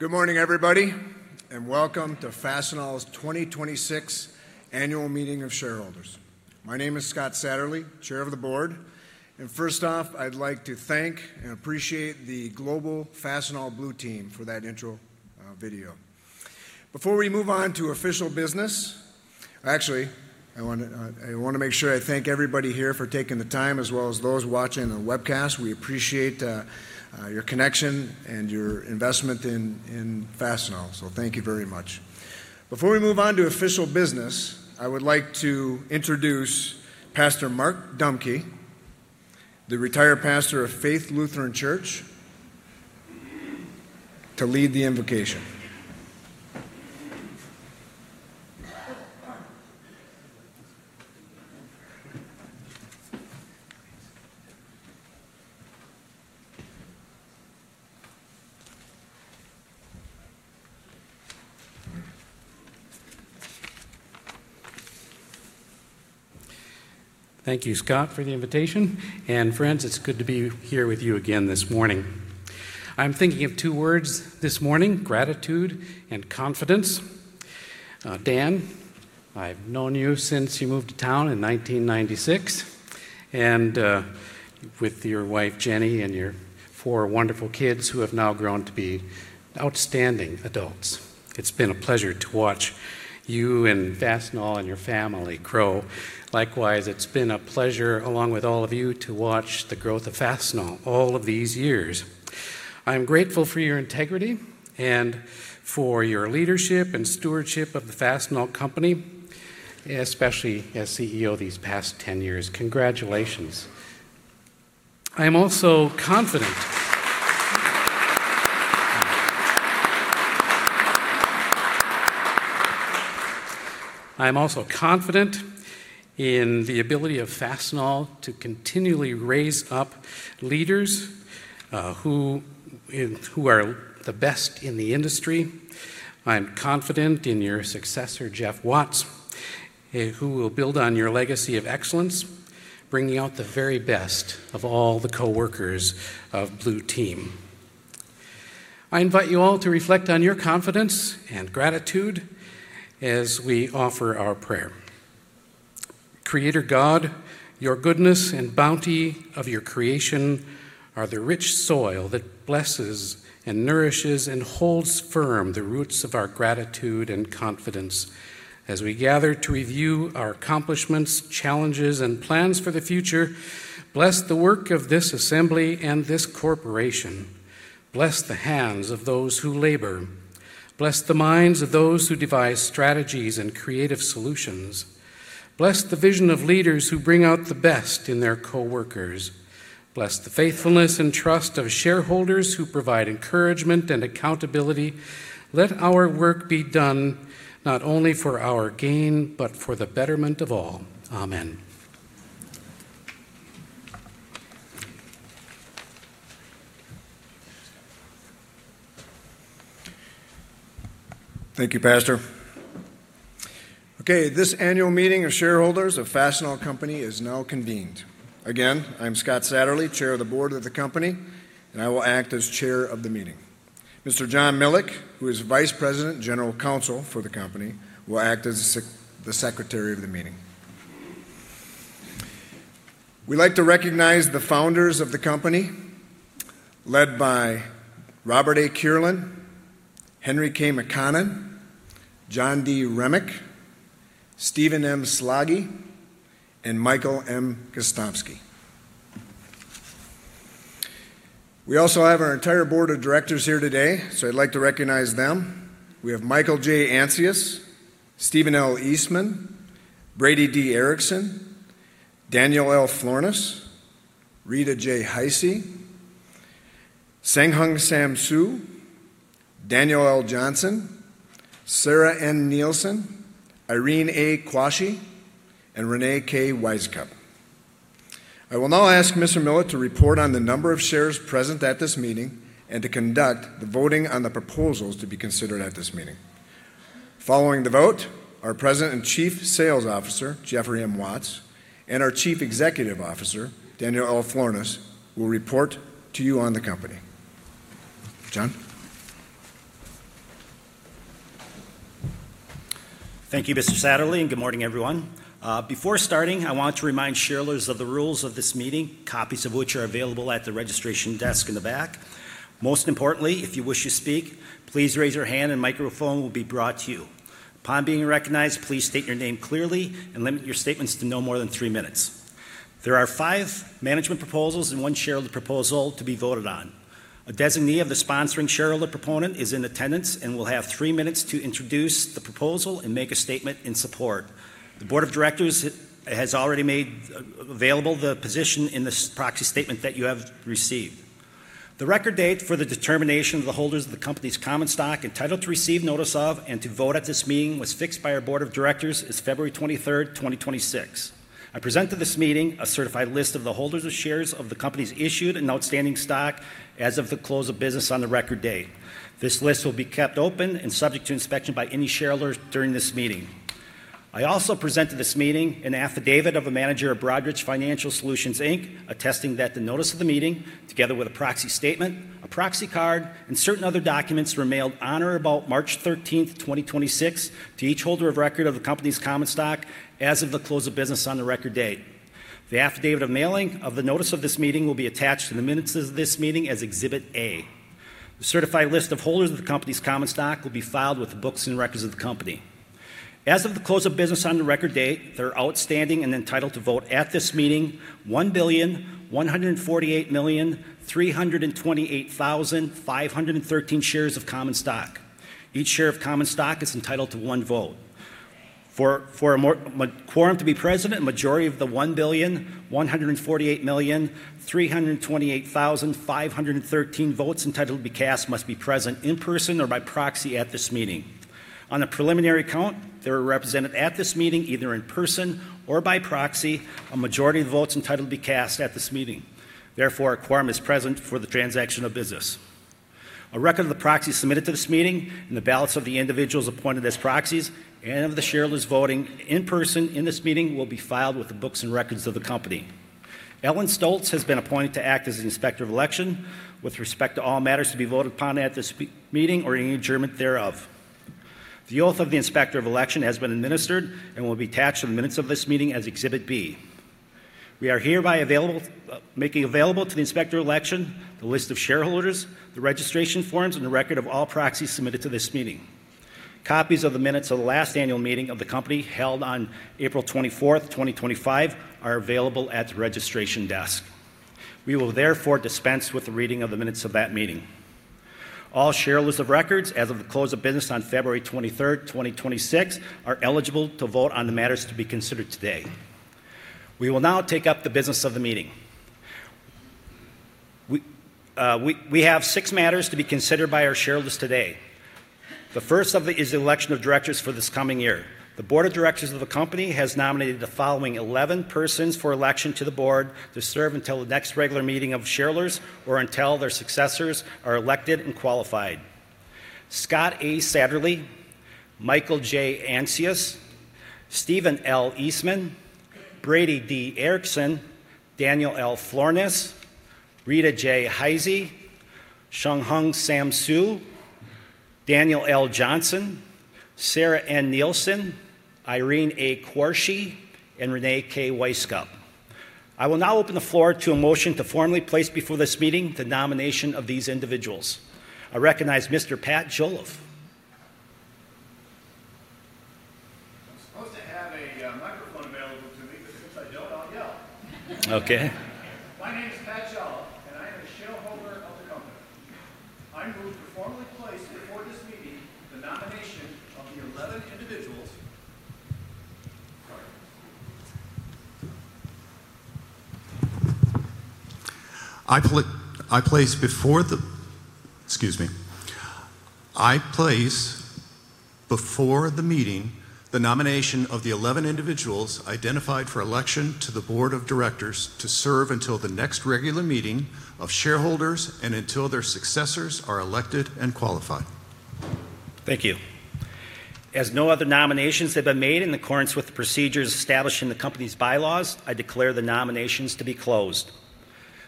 Good morning, everybody and welcome to Fastenal's 2026 Annual Meeting of Shareholders. My name is Scott Satterlee, Chair of the Board. First off, I'd like to thank and appreciate the global Fastenal Blue Team for that intro video. Before we move on to official business, actually, I want to make sure I thank everybody here for taking the time, as well as those watching the webcast. We appreciate your connection and your investment in Fastenal. So thank you very much. Before we move on to official business, I would like to introduce Pastor Mark Dumke, the retired pastor of Faith Lutheran Church, to lead the invocation. Thank you, Scott, for the invitation. Friends, it's good to be here with you again this morning. I'm thinking of two words this morning, gratitude and confidence. Dan, I've known you since you moved to town in 1996, and with your wife, Jenny, and your four wonderful kids who have now grown to be outstanding adults. It's been a pleasure to watch you and Fastenal and your family grow. Likewise, it's been a pleasure along with all of you to watch the growth of Fastenal all of these years. I'm grateful for your integrity and for your leadership and stewardship of the Fastenal Company, especially as CEO these past 10 years. Congratulations. I am also confident in the ability of Fastenal to continually raise up leaders who are the best in the industry. I am confident in your successor, Jeff Watts, who will build on your legacy of excellence, bringing out the very best of all the coworkers of Blue Team. I invite you all to reflect on your confidence and gratitude as we offer our prayer. Creator God, your goodness and bounty of your creation are the rich soil that blesses and nourishes and holds firm the roots of our gratitude and confidence. As we gather to review our accomplishments, challenges, and plans for the future, bless the work of this assembly and this corporation. Bless the hands of those who labor. Bless the minds of those who devise strategies and creative solutions. Bless the vision of leaders who bring out the best in their coworkers. Bless the faithfulness and trust of shareholders who provide encouragement and accountability. Let our work be done not only for our gain, but for the betterment of all. Amen. Thank you, Pastor. Okay, this annual meeting of shareholders of Fastenal Company is now convened. Again, I'm Scott Satterlee, Chair of the board of the company, and I will act as Chair of the meeting. Mr. John Milek, who is Vice President and General Counsel for the company, will act as the secretary of the meeting. We'd like to recognize the founders of the company, led by Robert A. Kierlin, Henry K. McConnon, John D. Remick, Stephen M. Slaggie, and Michael M. Gostomski. We also have our entire board of directors here today, so I'd like to recognize them. We have Michael J. Ancius, Stephen L. Eastman, Brady D. Ericson, Daniel L. Florness, Rita J. Heise, Hseng-Hung Sam Hsu, Daniel L. Johnson, Sarah N. Nielsen, Irene A. Quarshie, and Reyne K. Wisecup. I will now ask Mr. Milek to report on the number of shares present at this meeting and to conduct the voting on the proposals to be considered at this meeting. Following the vote, our President and Chief Sales Officer, Jeffery M. Watts, and our Chief Executive Officer, Daniel L. Florness, will report to you on the company. John. Thank you, Mr. Satterlee, and good morning, everyone. Before starting, I want to remind shareholders of the rules of this meeting, copies of which are available at the registration desk in the back. Most importantly, if you wish to speak, please raise your hand and a microphone will be brought to you. Upon being recognized, please state your name clearly and limit your statements to no more than three minutes. There are five management proposals and one shareholder proposal to be voted on. A designee of the sponsoring shareholder proponent is in attendance and will have three minutes to introduce the proposal and make a statement in support. The board of directors has already made available the position in the proxy statement that you have received. The record date for the determination of the holders of the company's common stock entitled to receive notice of and to vote at this meeting was fixed by our board of directors as February 23rd, 2026. I present to this meeting a certified list of the holders of shares of the company's issued and outstanding stock as of the close of business on the record date. This list will be kept open and subject to inspection by any shareholder during this meeting. I also present to this meeting an affidavit of a manager of Broadridge Financial Solutions, Inc., attesting that the notice of the meeting, together with a proxy statement, a proxy card, and certain other documents, were mailed on or about March 13th, 2026 to each holder of record of the company's common stock as of the close of business on the record date. The affidavit of mailing of the notice of this meeting will be attached to the minutes of this meeting as Exhibit A. The certified list of holders of the company's common stock will be filed with the books and records of the company. As of the close of business on the record date, there are outstanding and entitled to vote at this meeting, 1,148,328,513 shares of common stock. Each share of common stock is entitled to one vote. For a quorum to be present, a majority of the 1,148,328,513 votes entitled to be cast must be present in person or by proxy at this meeting. On a preliminary count, there are represented at this meeting, either in person or by proxy, a majority of the votes entitled to be cast at this meeting. Therefore, a quorum is present for the transaction of business. A record of the proxies submitted to this meeting, and the ballots of the individuals appointed as proxies, and of the shareholders voting in person in this meeting, will be filed with the books and records of the company. Ellen Stoltz has been appointed to act as the Inspector of Election with respect to all matters to be voted upon at this meeting or any adjournment thereof. The oath of the Inspector of Election has been administered and will be attached to the minutes of this meeting as Exhibit B. We are hereby making available to the Inspector of Election the list of shareholders, the registration forms, and a record of all proxies submitted to this meeting. Copies of the minutes of the last annual meeting of the company, held on April 24th, 2025, are available at the registration desk. We will therefore dispense with the reading of the minutes of that meeting. All shareholders of record as of the close of business on February 23rd, 2026, are eligible to vote on the matters to be considered today. We will now take up the business of the meeting. We have six matters to be considered by our shareholders today. The first of these is the election of directors for this coming year. The Board of Directors of the company has nominated the following 11 persons for election to the board to serve until the next regular meeting of shareholders or until their successors are elected and qualified. Scott A. Satterlee, Michael J. Ancius, Stephen L. Eastman, Brady D. Ericson, Daniel L. Florness, Rita J. Heise, Hseng-Hung Sam Hsu, Daniel L. Johnson, Sarah N. Nielsen, Irene A. Quarshie, and Reyne K. Wisecup. I will now open the floor to a motion to formally place before this meeting the nomination of these individuals. I recognize Mr. Pat Jolliff. I'm supposed to have a microphone available to me, but since I don't, I'll yell. Okay. My name is Pat Jolliff, and I am a shareholder of the company. I move to formally place before this meeting the nomination of the 11 individuals identified for election to the Board of Directors to serve until the next regular meeting of shareholders and until their successors are elected and qualified. Thank you. As no other nominations have been made in accordance with the procedures establishing the company's bylaws, I declare the nominations to be closed.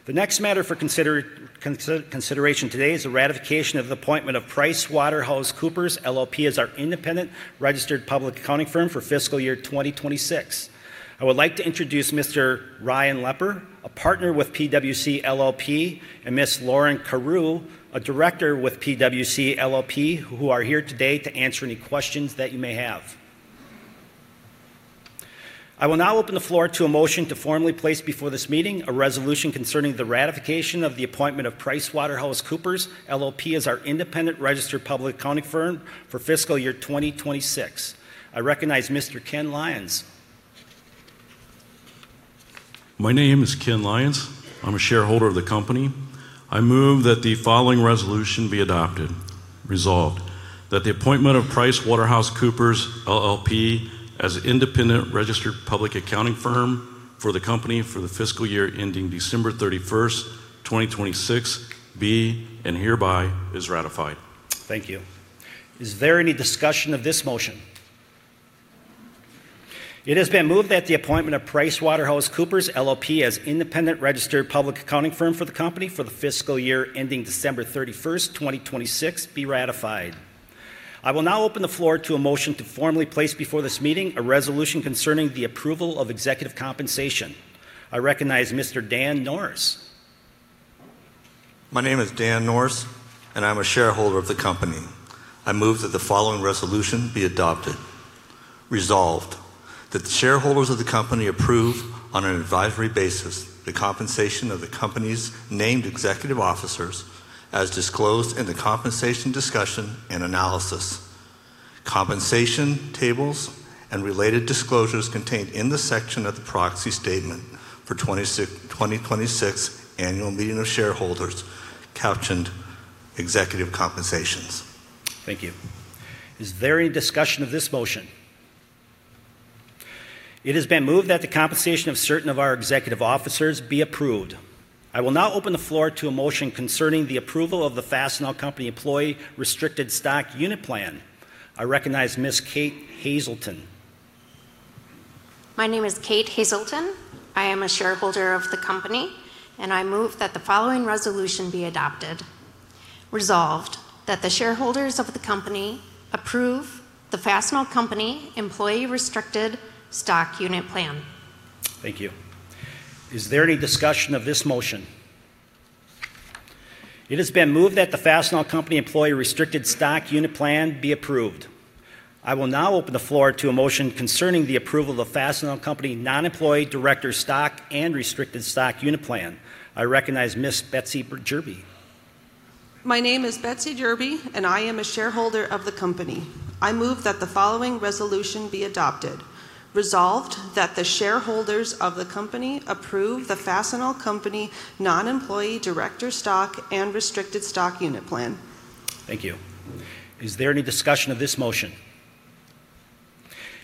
The next matter for consideration today is the ratification of the appointment of PricewaterhouseCoopers LLP as our independent registered public accounting firm for fiscal year 2026. I would like to introduce Mr. Ryan Lepper, a partner with PwC LLP, and Ms. Lauren Carew, a director with PwC LLP, who are here today to answer any questions that you may have. I will now open the floor to a motion to formally place before this meeting a resolution concerning the ratification of the appointment of PricewaterhouseCoopers LLP as our independent registered public accounting firm for fiscal year 2026. I recognize Mr. Ken Lyons. My name is Ken Lyons. I'm a shareholder of the company. I move that the following resolution be adopted. Resolved, that the appointment of PricewaterhouseCoopers LLP as independent registered public accounting firm for the company for the fiscal year ending December 31st, 2026, be and hereby is ratified. Thank you. Is there any discussion of this motion? It has been moved that the appointment of PricewaterhouseCoopers LLP as independent registered public accounting firm for the company for the fiscal year ending December 31st, 2026, be ratified. I will now open the floor to a motion to formally place before this meeting a resolution concerning the approval of executive compensation. I recognize Mr. Dan Norris. My name is Dan Norris, and I'm a shareholder of the company. I move that the following resolution be adopted. Resolved, that the shareholders of the company approve, on an advisory basis, the compensation of the company's named executive officers as disclosed in the compensation discussion and analysis, compensation tables, and related disclosures contained in the section of the proxy statement for 2026 annual meeting of shareholders captioned Executive Compensation. Thank you. Is there any discussion of this motion? It has been moved that the compensation of certain of our executive officers be approved. I will now open the floor to a motion concerning the approval of the Fastenal Company Employee Restricted Stock Unit Plan. I recognize Ms. Kate Hazelton. My name is Kate Hazelton. I am a shareholder of the company, and I move that the following resolution be adopted. Resolved, that the shareholders of the company approve the Fastenal Company Employee Restricted Stock Unit Plan. Thank you. Is there any discussion of this motion? It has been moved that the Fastenal Company Employee Restricted Stock Unit Plan be approved. I will now open the floor to a motion concerning the approval of the Fastenal Company Non-Employee Director Stock and Restricted Stock Unit Plan. I recognize Ms. Betsy Jerby. My name is Betsy Jerby, and I am a shareholder of the company. I move that the following resolution be adopted. Resolved, that the shareholders of the company approve the Fastenal Company Non-Employee Director Stock and Restricted Stock Unit Plan. Thank you. Is there any discussion of this motion?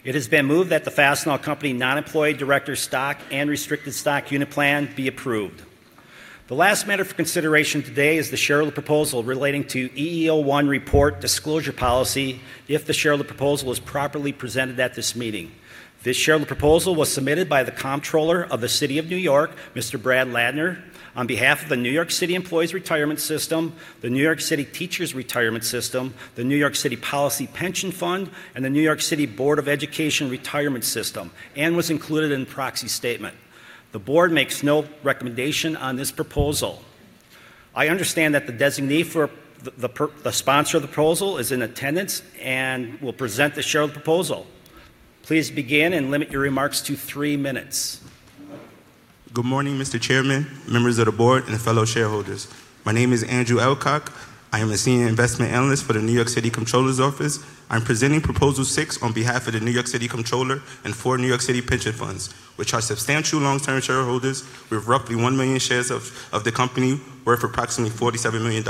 It has been moved that the Fastenal Company Non-Employee Director Stock and Restricted Stock Unit Plan be approved. The last matter for consideration today is the shareholder proposal relating to EEO-1 Report Disclosure Policy, if the shareholder proposal is properly presented at this meeting. This shareholder proposal was submitted by the Comptroller of the City of New York, Mr. Brad Lander, on behalf of the New York City Employees' Retirement System, the New York City Teachers' Retirement System, the New York City Police Pension Fund, and the New York City Board of Education Retirement System, and was included in the proxy statement. The board makes no recommendation on this proposal. I understand that the designee for the sponsor of the proposal is in attendance and will present the shareholder proposal. Please begin, and limit your remarks to three minutes. Good morning, Mr. Chairman, members of the board, and fellow shareholders. My name is Andrew Elcock. I am a senior investment analyst for the New York City Comptroller's Office. I'm presenting Proposal Six on behalf of the New York City Comptroller and four New York City pension funds, which are substantial long-term shareholders with roughly 1 million shares of the company, worth approximately $47 million.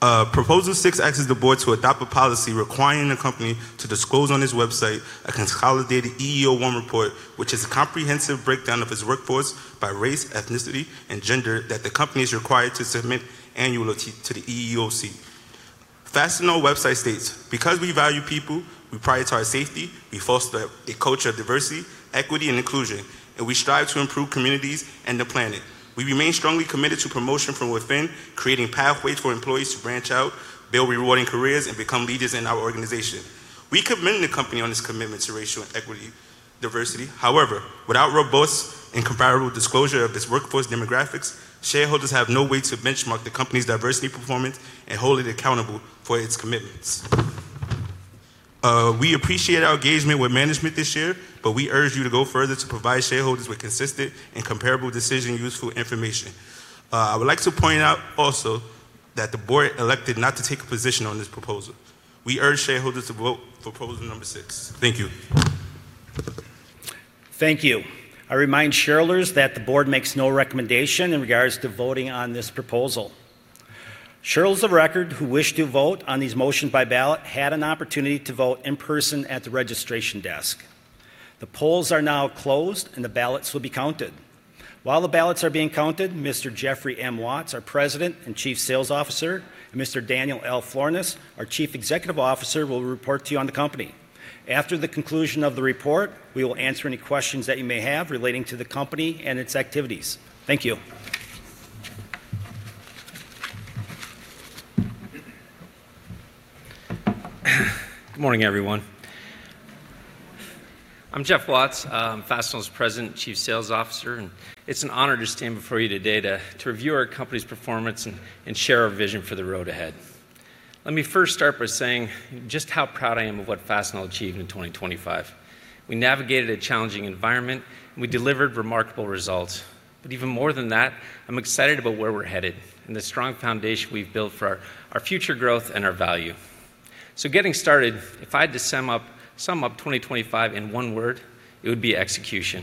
Proposal Six asks the board to adopt a policy requiring the company to disclose on its website a consolidated EEO-1 report, which is a comprehensive breakdown of its workforce by race, ethnicity, and gender that the company is required to submit annually to the EEOC. Fastenal's website states, "Because we value people, we prioritize safety, we foster a culture of diversity, equity, and inclusion, and we strive to improve communities and the planet. We remain strongly committed to promotion from within, creating pathways for employees to branch out, build rewarding careers, and become leaders in our organization. We commend the company on its commitment to racial equity and diversity. However, without robust and comparable disclosure of its workforce demographics, shareholders have no way to benchmark the company's diversity performance and hold it accountable for its commitments. We appreciate our engagement with management this year, but we urge you to go further to provide shareholders with consistent and comparable decision-useful information. I would like to point out also that the board elected not to take a position on this proposal. We urge shareholders to vote for proposal number six. Thank you. Thank you. I remind shareholders that the board makes no recommendation in regards to voting on this proposal. Shares of record who wish to vote on these motions by ballot had an opportunity to vote in person at the registration desk. The polls are now closed, and the ballots will be counted. While the ballots are being counted, Mr. Jeffery M. Watts, our President and Chief Sales Officer, and Mr. Daniel L. Florness, our Chief Executive Officer, will report to you on the company. After the conclusion of the report, we will answer any questions that you may have relating to the company and its activities. Thank you. Good morning, everyone. I'm Jeff Watts. I'm Fastenal's President and Chief Sales Officer and it's an honor to stand before you today to review our company's performance and share our vision for the road ahead. Let me first start by saying just how proud I am of what Fastenal achieved in 2025. We navigated a challenging environment and we delivered remarkable results. Even more than that, I'm excited about where we're headed and the strong foundation we've built for our future growth and our value. Getting started, if I had to sum up 2025 in one word, it would be execution.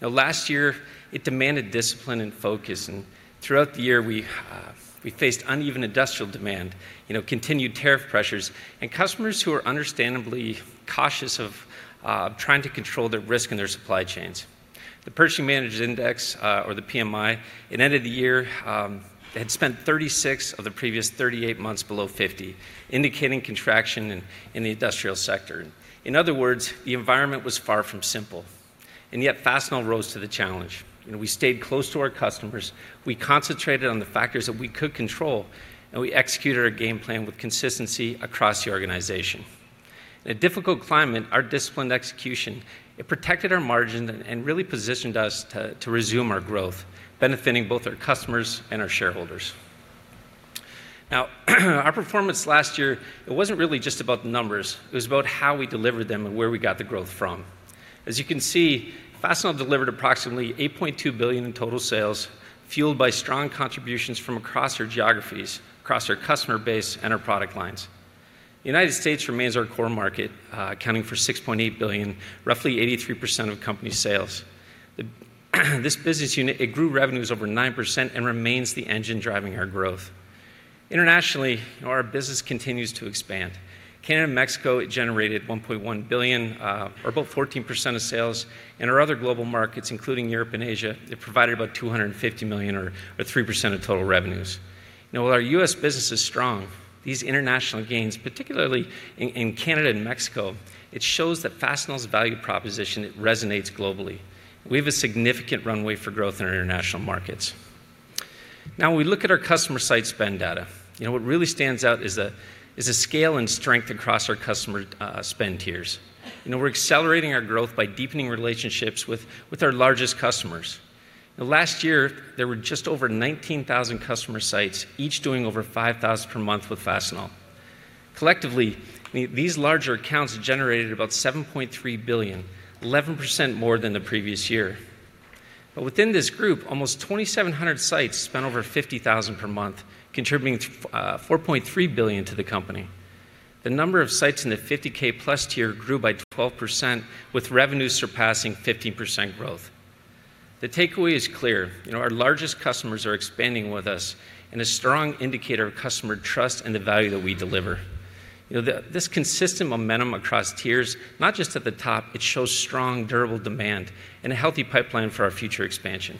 Last year, it demanded discipline and focus, and throughout the year, we faced uneven industrial demand, continued tariff pressures, and customers who are understandably cautious of trying to control their risk in their supply chains. The Purchasing Managers' Index, or the PMI, at the end-of-the-year, had spent 36 of the previous 38 months below 50, indicating contraction in the industrial sector. In other words, the environment was far from simple, and yet Fastenal rose to the challenge. We stayed close to our customers, we concentrated on the factors that we could control, and we executed our game plan with consistency across the organization. In a difficult climate, our disciplined execution, it protected our margin and really positioned us to resume our growth, benefiting both our customers and our shareholders. Now, our performance last year, it wasn't really just about the numbers, it was about how we delivered them and where we got the growth from. As you can see, Fastenal delivered approximately $8.2 billion in total sales, fueled by strong contributions from across our geographies, across our customer base, and our product lines. United States remains our core market, accounting for $6.8 billion, roughly 83% of company sales. This business unit, it grew revenues over 9% and remains the engine driving our growth. Internationally, our business continues to expand. In Canada and Mexico, it generated $1.1 billion, or about 14% of sales. Our other global markets, including Europe and Asia, it provided about $250 million, or 3% of total revenues. Now, while our U.S. business is strong, these international gains, particularly in Canada and Mexico, it shows that Fastenal's value proposition resonates globally. We have a significant runway for growth in our international markets. Now, when we look at our customer site spend data, what really stands out is the scale and strength across our customer spend tiers. We're accelerating our growth by deepening relationships with our largest customers. The last year, there were just over 19,000 customer sites, each doing over $5,000 per month with Fastenal. Collectively, these larger accounts generated about $7.3 billion, 11% more than the previous year. Within this group, almost 2,700 sites spent over $50,000 per month, contributing $4.3 billion to the company. The number of sites in the 50k plus tier grew by 12%, with revenues surpassing 15% growth. The takeaway is clear. Our largest customers are expanding with us, and a strong indicator of customer trust and the value that we deliver. This consistent momentum across tiers, not just at the top, it shows strong, durable demand and a healthy pipeline for our future expansion.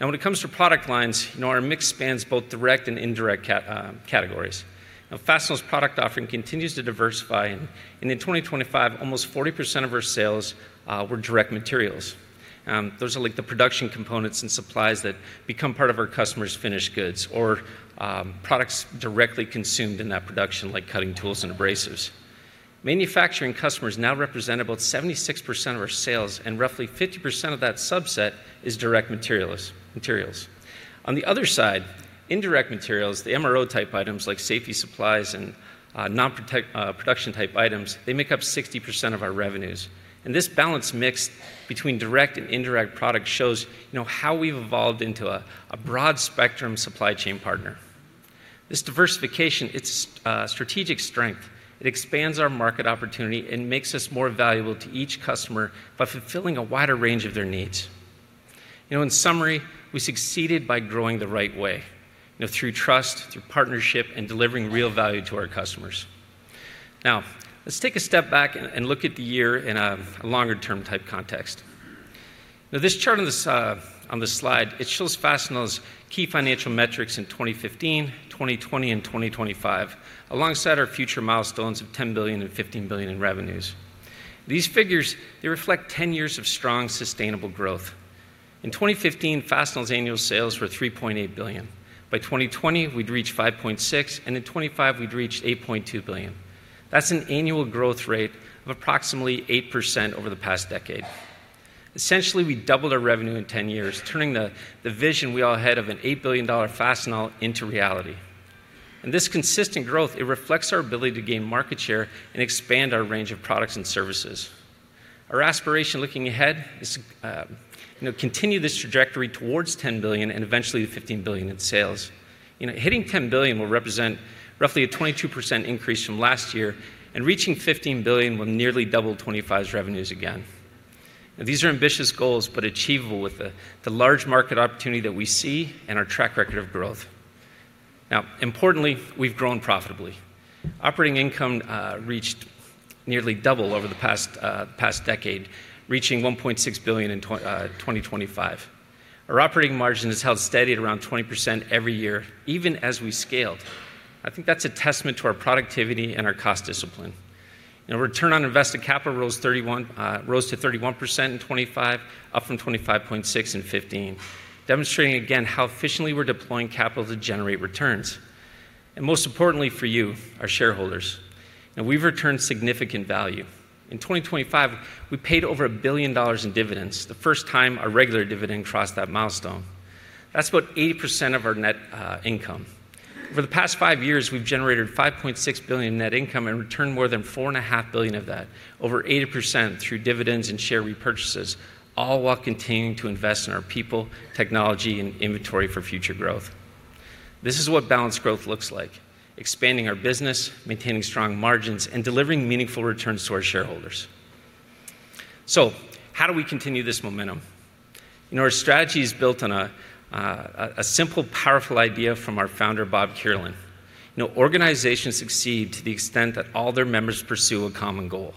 Now, when it comes to product lines, our mix spans both direct and indirect categories. Now, Fastenal's product offering continues to diversify and in 2025, almost 40% of our sales were direct materials. Those are the production components and supplies that become part of our customers' finished goods or products directly consumed in that production, like cutting tools and abrasives. Manufacturing customers now represent about 76% of our sales, and roughly 50% of that subset is direct materials. On the other side, indirect materials, the MRO type items like safety supplies and non-production type items, they make up 60% of our revenues. This balanced mix between direct and indirect product shows how we've evolved into a broad spectrum supply chain partner. This diversification, it's a strategic strength. It expands our market opportunity and makes us more valuable to each customer by fulfilling a wider range of their needs. In summary, we succeeded by growing the right way, through trust, through partnership, and delivering real value to our customers. Now, let's take a step back and look at the year in a longer term type context. Now, this chart on this slide, it shows Fastenal's key financial metrics in 2015, 2020, and 2025, alongside our future milestones of $10 billion and $15 billion in revenues. These figures, they reflect 10 years of strong, sustainable growth. In 2015, Fastenal's annual sales were $3.8 billion. By 2020, we'd reached $5.6 billionand in 2025, we'd reached $8.2 billion. That's an annual growth rate of approximately 8% over the past decade. Essentially, we doubled our revenue in 10 years, turning the vision we all had of an $8 billion Fastenal into reality. This consistent growth, it reflects our ability to gain market share and expand our range of products and services. Our aspiration looking ahead is continue this trajectory towards $10 billion and eventually $15 billion in sales. Hitting $10 billion will represent roughly a 22% increase from last year, and reaching $15 billion will nearly double 2025's revenues again. These are ambitious goals, but achievable with the large market opportunity that we see and our track record of growth. Now, importantly, we've grown profitably. Operating income reached nearly double over the past decade, reaching $1.6 billion in 2025. Our operating margin has held steady at around 20% every year, even as we've scaled. I think that's a testament to our productivity and our cost discipline. Our return on invested capital rose to 31% in 2025, up from 25.6% in 2015, demonstrating again how efficiently we're deploying capital to generate returns. Most importantly for you, our shareholders, we've returned significant value. In 2025, we paid over $1 billion in dividends, the first time our regular dividend crossed that milestone. That's about 80% of our net income. Over the past five years, we've generated $5.6 billion in net income and returned more than $4.5 billion of that, over 80%, through dividends and share repurchases, all while continuing to invest in our people, technology, and inventory for future growth. This is what balanced growth looks like, expanding our business, maintaining strong margins, and delivering meaningful returns to our shareholders. How do we continue this momentum? Our strategy is built on a simple, powerful idea from our founder, Bob Kierlin. Organizations succeed to the extent that all their members pursue a common goal.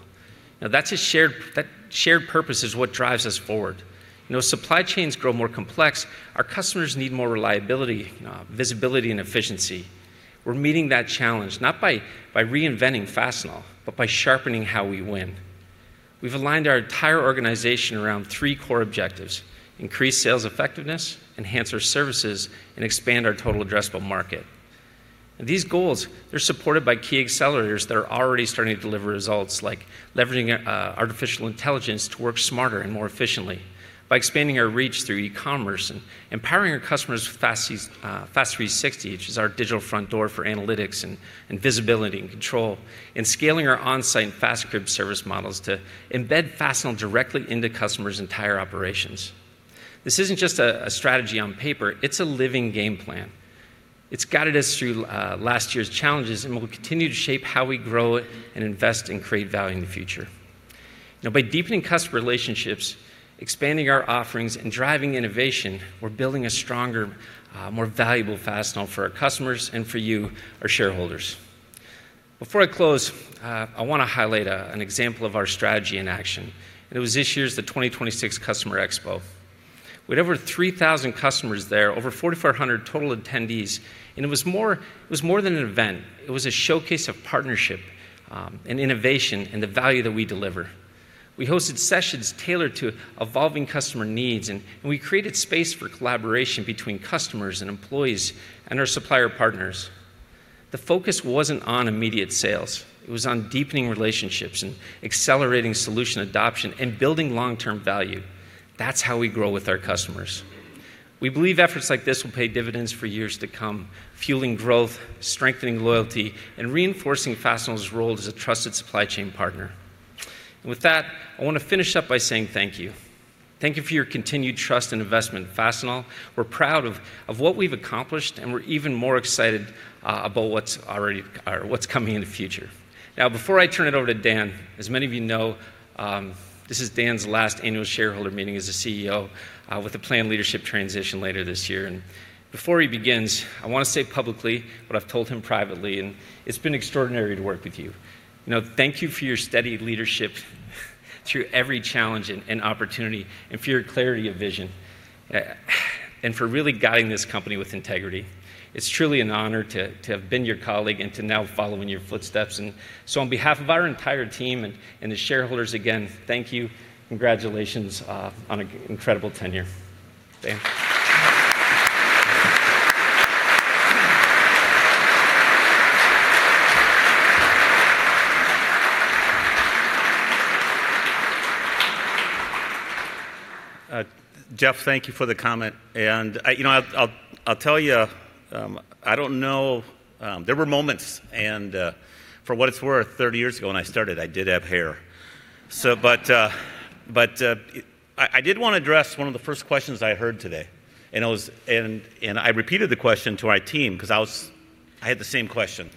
That shared purpose is what drives us forward. As supply chains grow more complex, our customers need more reliability, visibility, and efficiency. We're meeting that challenge not by reinventing Fastenal, but by sharpening how we win. We've aligned our entire organization around three core objectives, increase sales effectiveness, enhance our services, and expand our total addressable market. These goals, they're supported by key accelerators that are already starting to deliver results like leveraging artificial intelligence to work smarter and more efficiently, by expanding our reach through eCommerce, and empowering our customers with FAST 360, which is our digital front door for analytics and visibility and control, and scaling our Onsite FAST Grip service models to embed Fastenal directly into customers' entire operations. This isn't just a strategy on paper, it's a living game plan. It's guided us through last year's challenges and will continue to shape how we grow and invest and create value in the future. Now by deepening customer relationships, expanding our offerings, and driving innovation, we're building a stronger, more valuable Fastenal for our customers and for you, our shareholders. Before I close, I want to highlight an example of our strategy in action, and it was this year's 2026 Fastenal Customer Expo. We had over 3,000 customers there, over 4,500 total attendees, and it was more than an event. It was a showcase of partnership and innovation and the value that we deliver. We hosted sessions tailored to evolving customer needs, and we created space for collaboration between customers and employees and our supplier partners. The focus wasn't on immediate sales. It was on deepening relationships and accelerating solution adoption and building long-term value. That's how we grow with our customers. We believe efforts like this will pay dividends for years to come, fueling growth, strengthening loyalty, and reinforcing Fastenal's role as a trusted supply chain partner. With that, I want to finish up by saying thank you. Thank you for your continued trust and investment in Fastenal. We're proud of what we've accomplished, and we're even more excited about what's coming in the future. Now, before I turn it over to Dan, as many of you know, this is Dan's last annual shareholder meeting as the CEO, with a planned leadership transition later this year. Before he begins, I want to say publicly what I've told him privately, and it's been extraordinary to work with you. Thank you for your steady leadership through every challenge and opportunity and for your clarity of vision, and for really guiding this company with integrity. It's truly an honor to have been your colleague and to now follow in your footsteps. On behalf of our entire team and the shareholders, again, thank you. Congratulations on an incredible tenure. Dan. Jeff, thank you for the comment. I'll tell you, I don't know. There were moments, and for what it's worth, 30 years ago when I started, I did have hair. But I did want to address one of the first questions I heard today, and I repeated the question to my team because I had the same question.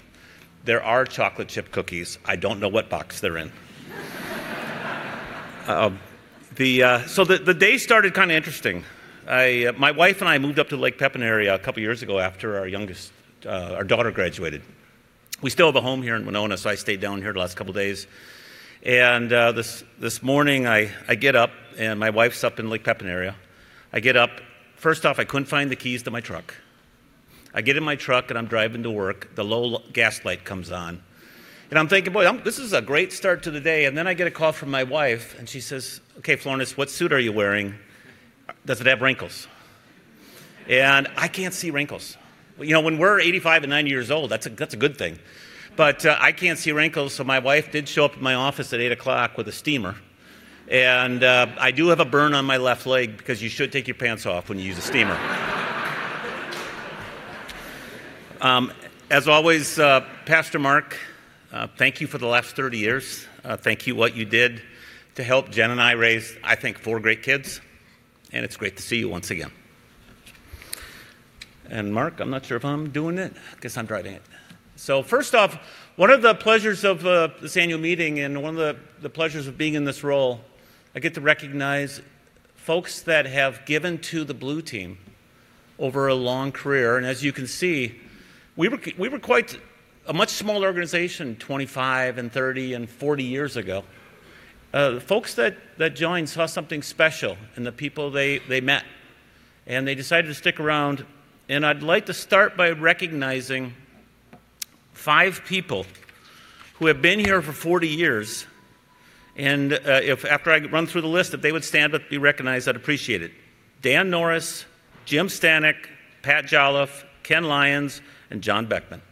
There are chocolate chip cookies. I don't know what box they're in. The day started kind of interesting. My wife and I moved up to the Lake Pepin area a couple of years ago after our daughter graduated. We still have a home here in Winona, so I stayed down here the last couple of days. This morning, I get up, and my wife's up in Lake Pepin area. First off, I couldn't find the keys to my truck. I get in my truck and I'm driving to work. The low gas light comes on, and I'm thinking, "Boy, this is a great start to the day." Then I get a call from my wife and she says, "Okay, Florness, what suit are you wearing? Does it have wrinkles?" I can't see wrinkles. When we're 85 and 90 years old, that's a good thing. I can't see wrinkles, so my wife did show up at my office at 8:00 A.M. with a steamer. I do have a burn on my left leg because you should take your pants off when you use a steamer. As always, Pastor Mark Dumke, thank you for the last 30 years. Thank you for what you did to help Jen and I raise, I think, four great kids, and it's great to see you once again. Mark, I'm not sure if I'm doing it. I guess I'm driving it. First off, one of the pleasures of this annual meeting and one of the pleasures of being in this role, I get to recognize folks that have given to the Blue Team over a long career. As you can see, we were quite a much smaller organization 25, 30, and 40 years ago. The folks that joined saw something special in the people they met, and they decided to stick around. I'd like to start by recognizing five people who have been here for 40 years, and if after I run through the list, if they would stand to be recognized, I'd appreciate it. Dan Norris, Jim Stanek, Pat Jolliff, Ken Lyons, and John Beckman.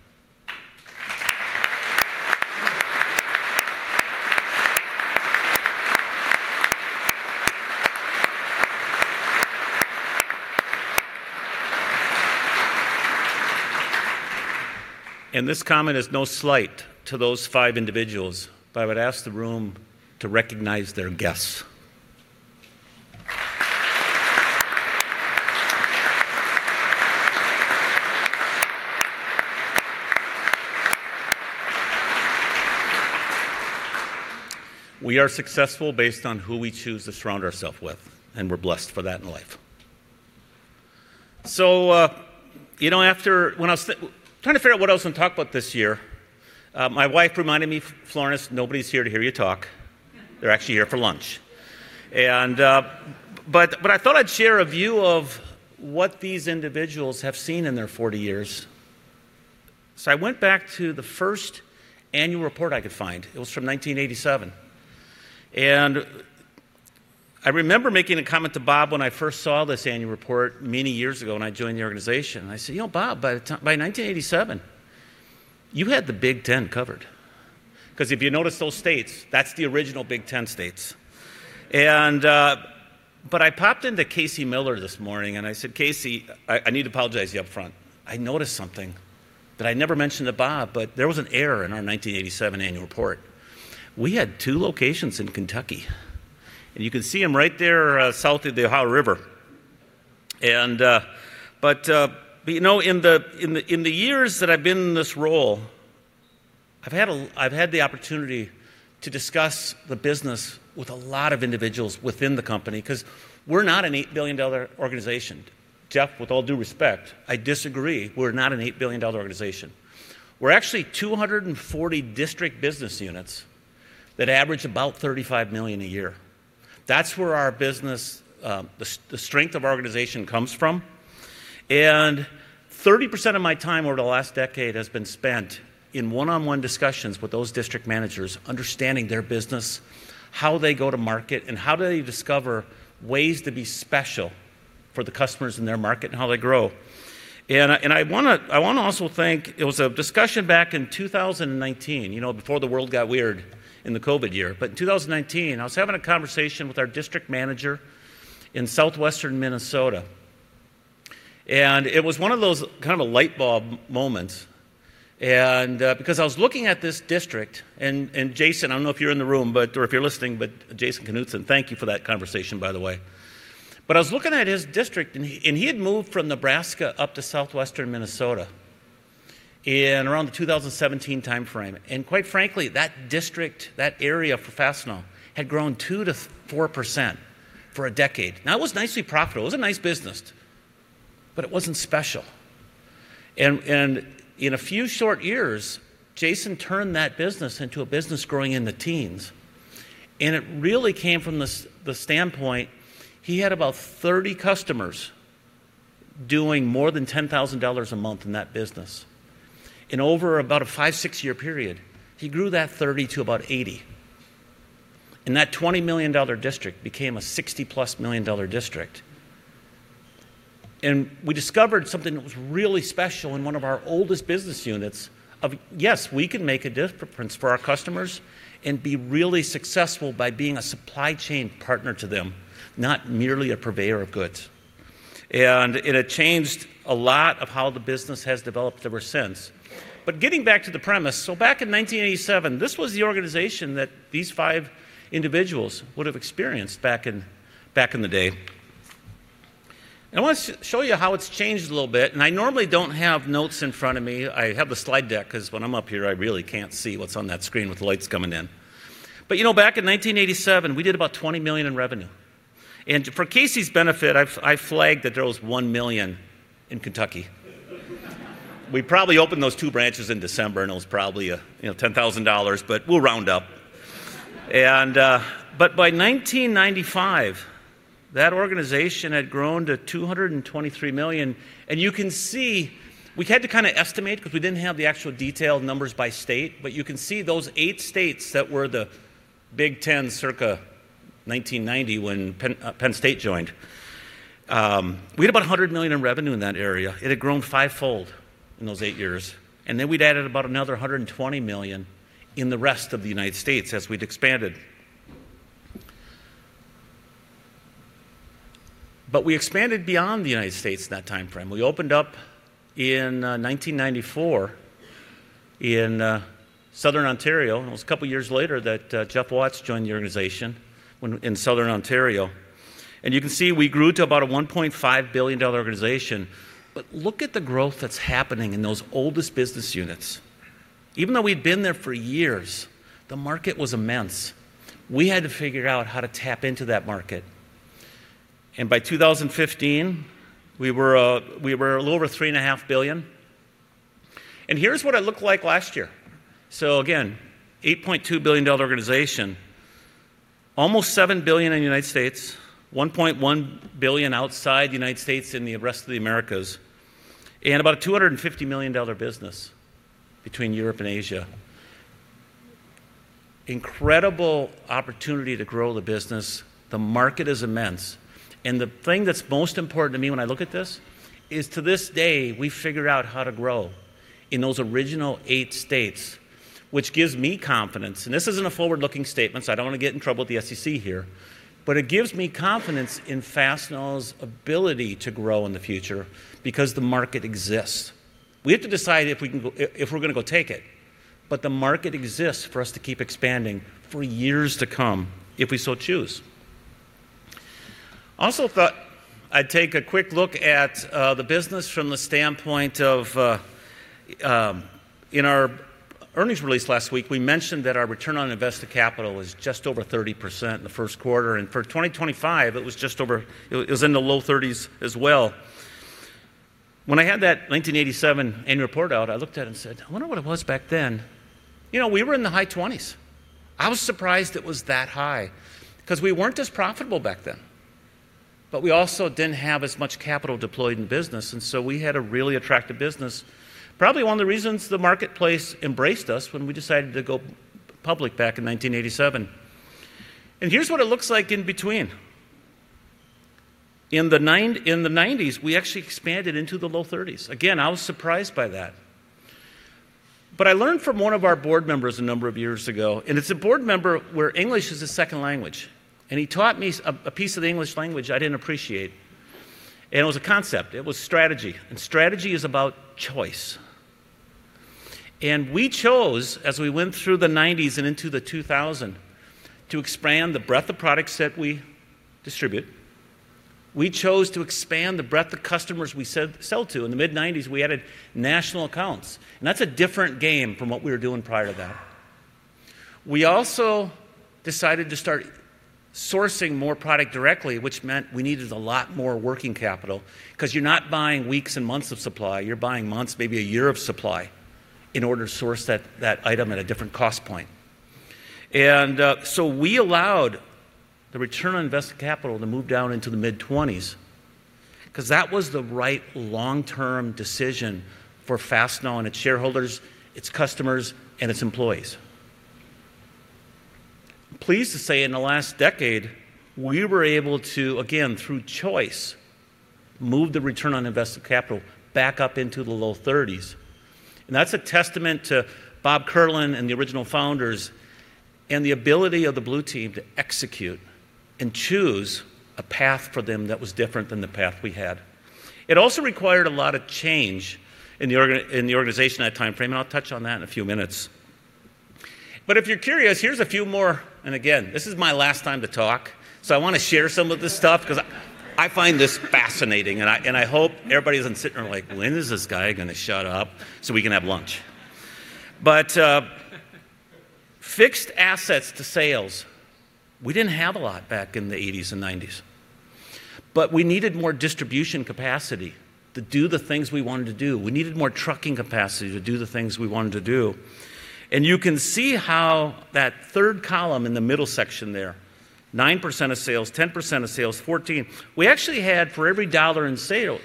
This comment is no slight to those five individuals, but I would ask the room to recognize their guests. We are successful based on who we choose to surround ourselves with, and we're blessed for that in life. Trying to figure out what I was going to talk about this year, my wife reminded me, "Florness, nobody's here to hear you talk. They're actually here for lunch." I thought I'd share a view of what these individuals have seen in their 40 years. I went back to the first annual report I could find. It was from 1987. I remember making a comment to Bob when I first saw this annual report many years ago when I joined the organization. I said, "You know, Bob, by 1987, you had the Big Ten covered." Because if you notice those states, that's the original Big Ten states. I popped into Casey Miller this morning, and I said, "Casey," I need to apologize to you up front. I noticed something that I never mentioned to Bob, but there was an error in our 1987 annual report. We had two locations in Kentucky. You can see them right there south of the Ohio River, but in the years that I've been in this role, I've had the opportunity to discuss the business with a lot of individuals within the company, because we're not an $8 billion organization. Jeff, with all due respect, I disagree. We're not an $8 billion organization. We're actually 240 district business units that average about $35 million a year. That's where our business, the strength of our organization comes from. 30% of my time over the last decade has been spent in one-on-one discussions with those district managers, understanding their business, how they go to market, and how do they discover ways to be special for the customers in their market, and how they grow. I want to also thank, it was a discussion back in 2019, before the world got weird in the COVID year. In 2019, I was having a conversation with our district manager in southwestern Minnesota, and it was one of those kind of a light bulb moments. Because I was looking at this district, and Jason, I don't know if you're in the room, but, or if you're listening, but Jason Knutson, thank you for that conversation, by the way. I was looking at his district, and he had moved from Nebraska up to southwestern Minnesota in around the 2017 timeframe. Quite frankly, that district, that area of Fastenal, had grown 2% to 4% for a decade. Now, it was nicely profitable. It was a nice business, but it wasn't special. In a few short years, Jason turned that business into a business growing in the teens, and it really came from the standpoint, he had about 30 customers doing more than $10,000 a month in that business. In over about a five, six-year period, he grew that 30 to about 80. That $20 million district became a $60+ million district. We discovered something that was really special in one of our oldest business units of, yes, we can make a difference for our customers and be really successful by being a supply chain partner to them, not merely a purveyor of goods. It had changed a lot of how the business has developed ever since. Getting back to the premise. Back in 1987, this was the organization that these five individuals would have experienced back in the day. I want to show you how it's changed a little bit, and I normally don't have notes in front of me. I have the slide deck because when I'm up here, I really can't see what's on that screen with the lights coming in. Back in 1987, we did about $20 million in revenue. For Casey's benefit, I flagged that there was $1 million in Kentucky. We probably opened those 2 branches in December, and it was probably $10,000, but we'll round up. By 1995, that organization had grown to $223 million. You can see we had to kind of estimate because we didn't have the actual detailed numbers by state. You can see those eight states that were the Big Ten circa 1990 when Penn State joined. We had about $100 million in revenue in that area. It had grown fivefold in those eight years, and then we'd added about another $120 million in the rest of the United States as we'd expanded. We expanded beyond the United States in that timeframe. We opened up in 1994 in Southern Ontario, and it was a couple of years later that Jeff Watts joined the organization in Southern Ontario. You can see we grew to about a $1.5 billion organization. Look at the growth that's happening in those oldest business units. Even though we'd been there for years, the market was immense. We had to figure out how to tap into that market. By 2015, we were a little over $3.5 billion. Here's what it looked like last year. Again, $8.2 billion organization. Almost $7 billion in the United States, $1.1 billion outside the United States and the rest of the Americas, and about a $250 million business between Europe and Asia. Incredible opportunity to grow the business. The market is immense. The thing that's most important to me when I look at this is to this day, we've figured out how to grow in those original eight states, which gives me confidence. This isn't a forward-looking statement, so I don't want to get in trouble with the SEC here, but it gives me confidence in Fastenal's ability to grow in the future because the market exists. We have to decide if we're going to go take it. The market exists for us to keep expanding for years to come if we so choose. I also thought I'd take a quick look at the business from the standpoint of, in our earnings release last week, we mentioned that our return on invested capital was just over 30% in the first quarter. For 2025, it was in the low 30s as well. When I had that 1987 annual report out, I looked at it and said, "I wonder what it was back then." We were in the high 20s. I was surprised it was that high because we weren't as profitable back then. We also didn't have as much capital deployed in business, and so we had a really attractive business, probably one of the reasons the marketplace embraced us when we decided to go public back in 1987. Here's what it looks like in between. In the 1990s, we actually expanded into the low 30s. Again, I was surprised by that. I learned from one of our board members a number of years ago, and it's a board member where English is a second language. He taught me a piece of the English language I didn't appreciate, and it was a concept. It was strategy, and strategy is about choice. We chose, as we went through the 1990s and into the 2000s, to expand the breadth of products that we distribute. We chose to expand the breadth of customers we sell to. In the mid-1990s, we added national accounts, and that's a different game from what we were doing prior to that. We also decided to start sourcing more product directly, which meant we needed a lot more working capital because you're not buying weeks and months of supply, you're buying months, maybe a year of supply in order to source that item at a different cost point. We allowed the return on invested capital to move down into the mid-20s%, because that was the right long-term decision for Fastenal and its shareholders, its customers, and its employees. I'm pleased to say in the last decade, we were able to, again, through choice, move the return on invested capital back up into the low 30s%. That's a testament to Bob Kierlin and the original founders and the ability of the Blue Team to execute and choose a path for them that was different than the path we had. It also required a lot of change in the organization in that timeframe, and I'll touch on that in a few minutes. If you're curious, here's a few more, and again, this is my last time to talk, so I want to share some of this stuff because I find this fascinating and I hope everybody isn't sitting there like, "When is this guy going to shut up so we can have lunch?" Fixed assets to sales, we didn't have a lot back in the 1980s and 1990s. We needed more distribution capacity to do the things we wanted to do. We needed more trucking capacity to do the things we wanted to do. You can see how that third column in the middle section there, 9% of sales, 10% of sales, 14%. We actually had for every dollar in sales,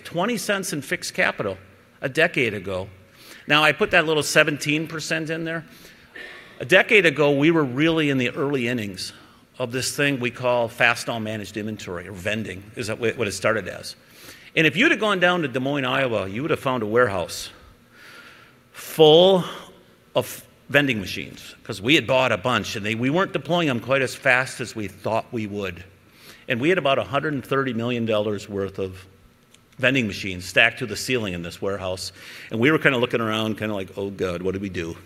20 cents in fixed capital a decade ago. Now I put that little 17% in there. A decade ago, we were really in the early innings of this thing we call Fastenal Managed Inventory or vending, is what it started as. If you'd have gone down to Des Moines, Iowa, you would have found a warehouse full of vending machines because we had bought a bunch and we weren't deploying them quite as fast as we thought we would. We had about $130 million worth of vending machines stacked to the ceiling in this warehouse. We were looking around like, "Oh, God. What do we do?"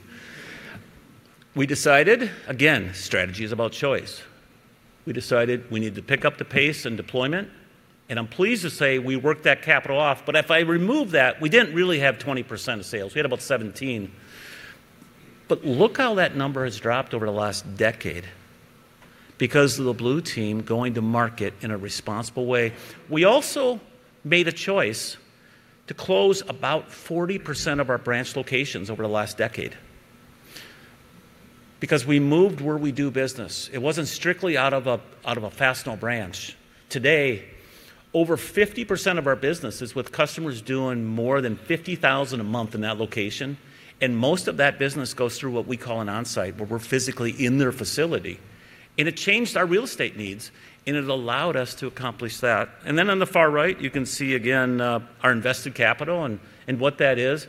We decided, again, strategy is about choice. We decided we need to pick up the pace and deployment. I'm pleased to say we worked that capital off. If I remove that, we didn't really have 20% of sales. We had about 17. Look how that number has dropped over the last decade because of the Blue Team going to market in a responsible way. We also made a choice to close about 40% of our branch locations over the last decade because we moved where we do business. It wasn't strictly out of a Fastenal branch. Today, over 50% of our business is with customers doing more than $50,000 a month in that location, and most of that business goes through what we call an Onsite, where we're physically in their facility. It changed our real estate needs and it allowed us to accomplish that. Then on the far right, you can see again, our invested capital and what that is.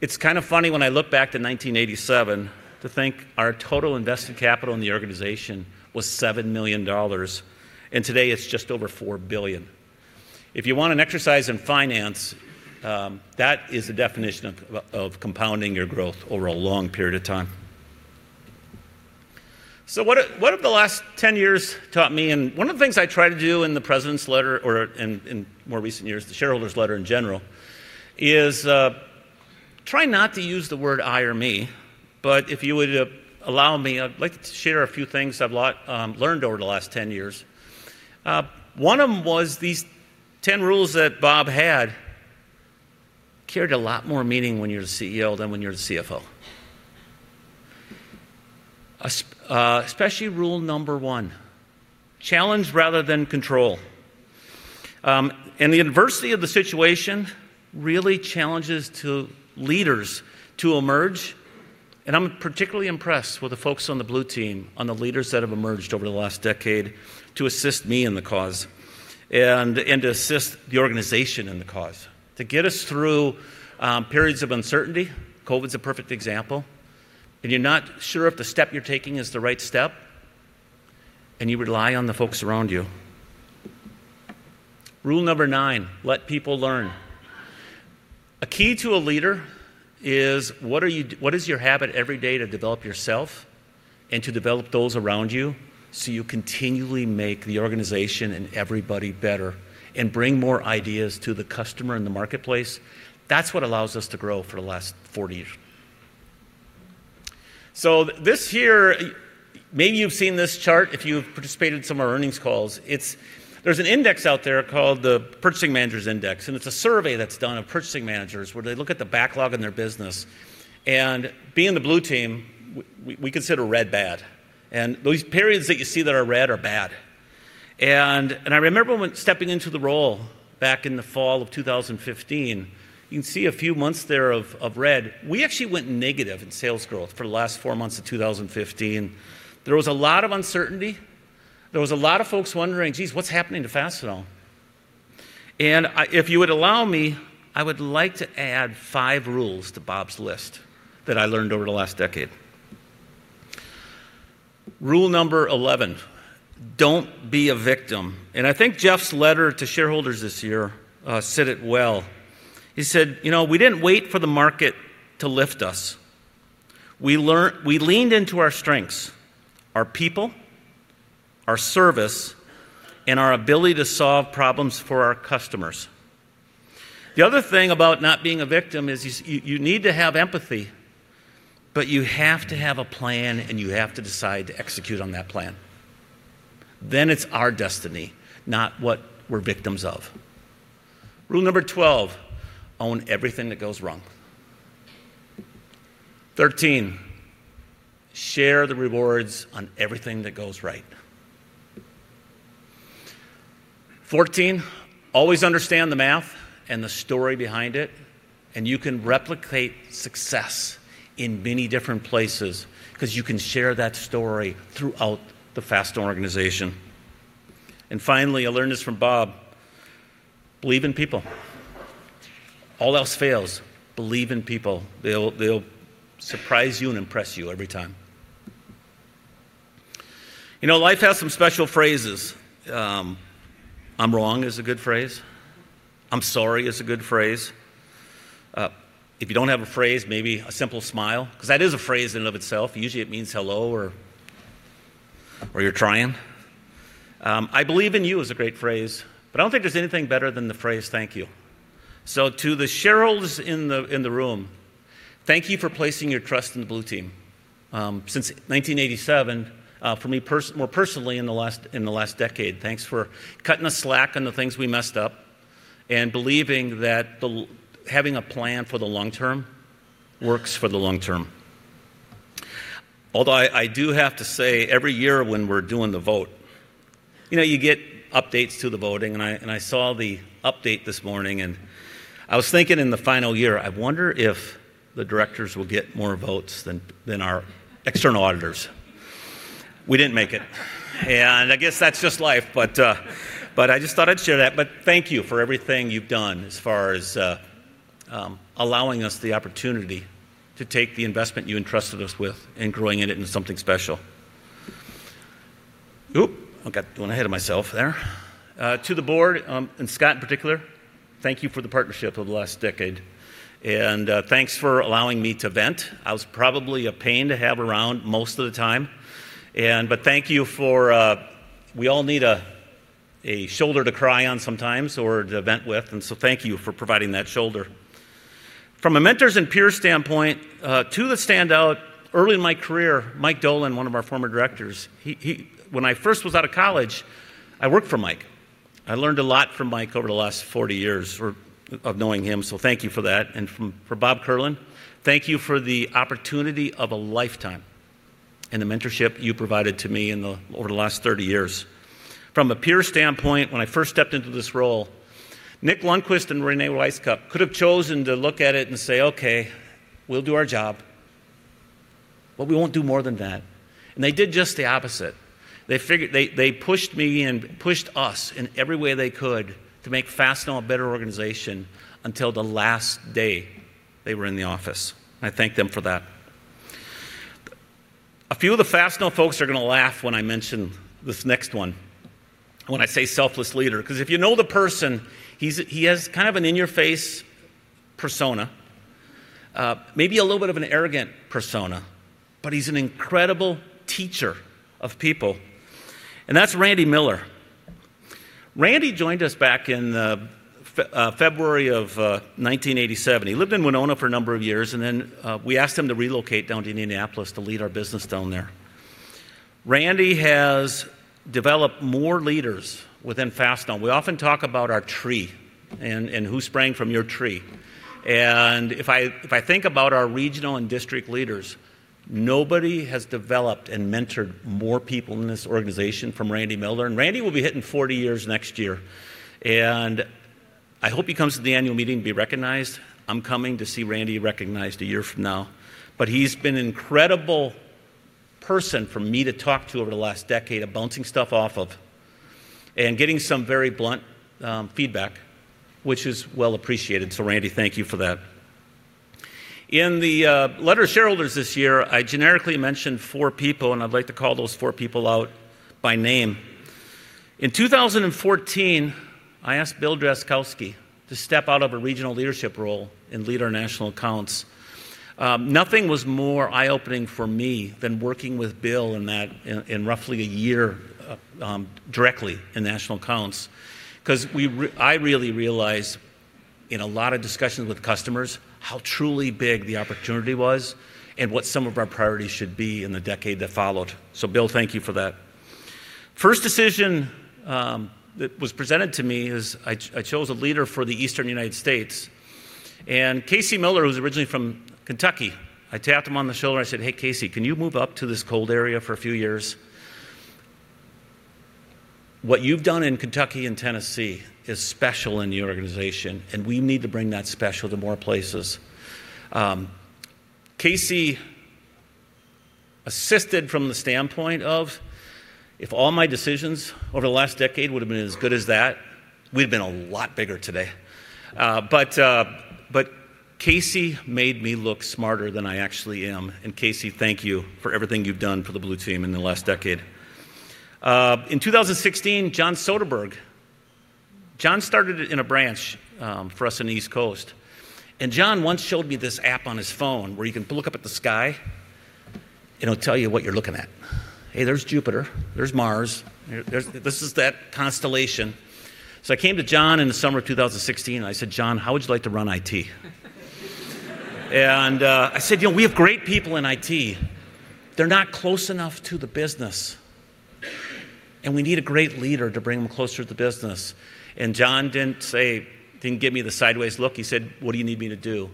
It's kind of funny when I look back to 1987 to think our total invested capital in the organization was $7 million. Today it's just over $4 billion. If you want an exercise in finance, that is the definition of compounding your growth over a long period of time. What have the last 10 years taught me? One of the things I try to do in the president's letter or in more recent years, the shareholder's letter in general, is try not to use the word I or me, but if you would allow me, I'd like to share a few things I've learned over the last 10 years. One of them was these 10 rules that Bob had carried a lot more meaning when you're the CEO than when you're the CFO. Especially Rule number one, challenge rather than control. The adversity of the situation really challenges leaders to emerge, and I'm particularly impressed with the folks on the Blue Team, on the leaders that have emerged over the last decade to assist me in the cause and to assist the organization in the cause, to get us through periods of uncertainty. COVID's a perfect example. You're not sure if the step you're taking is the right step, and you rely on the folks around you. Rule number nine. Let people learn. A key to a leader is what is your habit every day to develop yourself and to develop those around you so you continually make the organization and everybody better and bring more ideas to the customer and the marketplace? That's what allows us to grow for the last 40 years. This year, maybe you've seen this chart if you've participated in some of our earnings calls. There's an index out there called the Purchasing Managers' Index, and it's a survey that's done of purchasing managers where they look at the backlog in their business. Being the Blue Team, we consider red bad. Those periods that you see that are red are bad. I remember when stepping into the role back in the fall of 2015, you can see a few months there of red. We actually went negative in sales growth for the last four months of 2015. There was a lot of uncertainty. There was a lot of folks wondering, "Geez, what's happening to Fastenal?" If you would allow me, I would like to add five rules to Bob's list that I learned over the last decade. Rule number 11: don't be a victim. I think Jeff's letter to shareholders this year said it well. He said, "We didn't wait for the market to lift us. We leaned into our strengths, our people, our service, and our ability to solve problems for our customers." The other thing about not being a victim is you need to have empathy, but you have to have a plan and you have to decide to execute on that plan. It's our destiny, not what we're victims of. Rule number 12: own everything that goes wrong. Share the rewards on everything that goes right. Always understand the math and the story behind it, and you can replicate success in many different places because you can share that story throughout the Fastenal organization. Finally, I learned this from Bob, believe in people. All else fails, believe in people. They'll surprise you and impress you every time. Life has some special phrases. "I'm wrong" is a good phrase. "I'm sorry" is a good phrase. If you don't have a phrase, maybe a simple smile, because that is a phrase in and of itself. Usually, it means hello or you're trying. "I believe in you" is a great phrase, but I don't think there's anything better than the phrase, "Thank you." To the shareholders in the room, thank you for placing your trust in the Blue Team. Since 1987, for me more personally in the last decade, thanks for cutting us slack on the things we messed up and believing that having a plan for the long term works for the long term. Although I do have to say, every year when we're doing the vote, you get updates to the voting, and I saw the update this morning, and I was thinking in the final year, I wonder if the directors will get more votes than our external auditors. We didn't make it, and I guess that's just life. I just thought I'd share that, but thank you for everything you've done as far as allowing us the opportunity to take the investment you entrusted us with and growing it into something special. Oop, I got ahead of myself there. To the board, and Scott in particular, thank you for the partnership over the last decade, and thanks for allowing me to vent. I was probably a pain to have around most of the time, but thank you. We all need a shoulder to cry on sometimes or to vent with, and so thank you for providing that shoulder. From a mentors and peers standpoint, two that stand out early in my career, Mike Dolan, one of our former directors. When I first was out of college, I worked for Mike. I learned a lot from Mike over the last 40 years of knowing him, so thank you for that. For Bob Kierlin, thank you for the opportunity of a lifetime and the mentorship you provided to me over the last 30 years. From a peer standpoint, when I first stepped into this role, Nick Lundquist and Reyne Wisecup could have chosen to look at it and say, "Okay, we'll do our job, but we won't do more than that." They did just the opposite. They pushed me and pushed us in every way they could to make Fastenal a better organization until the last day they were in the office. I thank them for that. A few of the Fastenal folks are going to laugh when I mention this next one, when I say selfless leader, because if you know the person, he has kind of an in-your-face persona. Maybe a little bit of an arrogant persona, but he's an incredible teacher of people, and that's Randy Miller. Randy joined us back in February of 1987. He lived in Winona for a number of years, and then we asked him to relocate down to Indianapolis to lead our business down there. Randy has developed more leaders within Fastenal. We often talk about our tree and who sprang from your tree. If I think about our regional and district leaders, nobody has developed and mentored more people in this organization from Randy Miller. Randy will be hitting 40 years next year, and I hope he comes to the annual meeting to be recognized. I'm coming to see Randy recognized a year from now. He's been an incredible person for me to talk to over the last decade of bouncing stuff off of and getting some very blunt feedback, which is well appreciated. Randy, thank you for that. In the letter to shareholders this year, I generically mentioned four people, and I'd like to call those four people out by name. In 2014, I asked Bill Drazkowski to step out of a regional leadership role and lead our national accounts. Nothing was more eye-opening for me than working with Bill in roughly a year directly in national accounts, because I really realized in a lot of discussions with customers how truly big the opportunity was and what some of our priorities should be in the decade that followed. Bill, thank you for that. First decision that was presented to me is I chose a leader for the Eastern United States, and Casey Miller, who's originally from Kentucky, I tapped him on the shoulder, I said, "Hey, Casey, can you move up to this cold area for a few years? What you've done in Kentucky and Tennessee is special in the organization, and we need to bring that special to more places. Casey assisted from the standpoint of. If all my decisions over the last decade would've been as good as that, we'd have been a lot bigger today. Casey made me look smarter than I actually am, and Casey, thank you for everything you've done for the Blue Team in the last decade. In 2016, John Soderberg. John started in a branch for us on the East Coast. John once showed me this app on his phone where you can look up at the sky, and it'll tell you what you're looking at. "Hey, there's Jupiter. There's Mars. This is that constellation." I came to John in the summer of 2016, and I said, "John, how would you like to run IT?" I said, "We have great people in IT. They're not close enough to the business, and we need a great leader to bring them closer to the business." John didn't give me the sideways look. He said, "What do you need me to do?"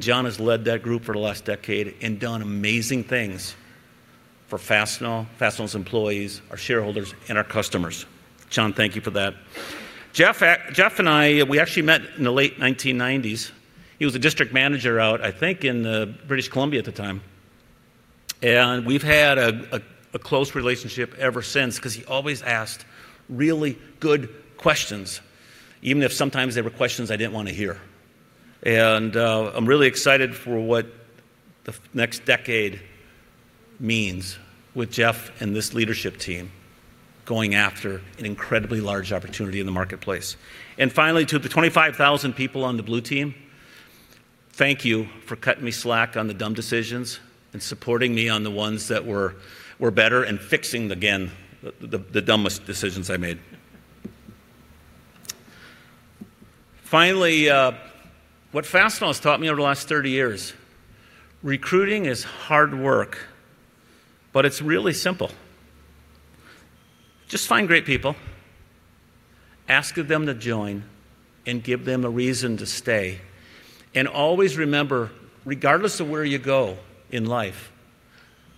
John has led that group for the last decade and done amazing things for Fastenal's employees, our shareholders, and our customers. John, thank you for that. Jeff and I, we actually met in the late 1990s. He was a district manager out, I think, in British Columbia at the time. We've had a close relationship ever since because he always asked really good questions, even if sometimes they were questions I didn't want to hear. I'm really excited for what the next decade means with Jeff and this leadership team going after an incredibly large opportunity in the marketplace. Finally, to the 25,000 people on the Blue Team, thank you for cutting me slack on the dumb decisions and supporting me on the ones that were better and fixing, again, the dumbest decisions I made. Finally, what Fastenal has taught me over the last 30 years, recruiting is hard work, but it's really simple. Just find great people, ask of them to join, and give them a reason to stay. Always remember, regardless of where you go in life,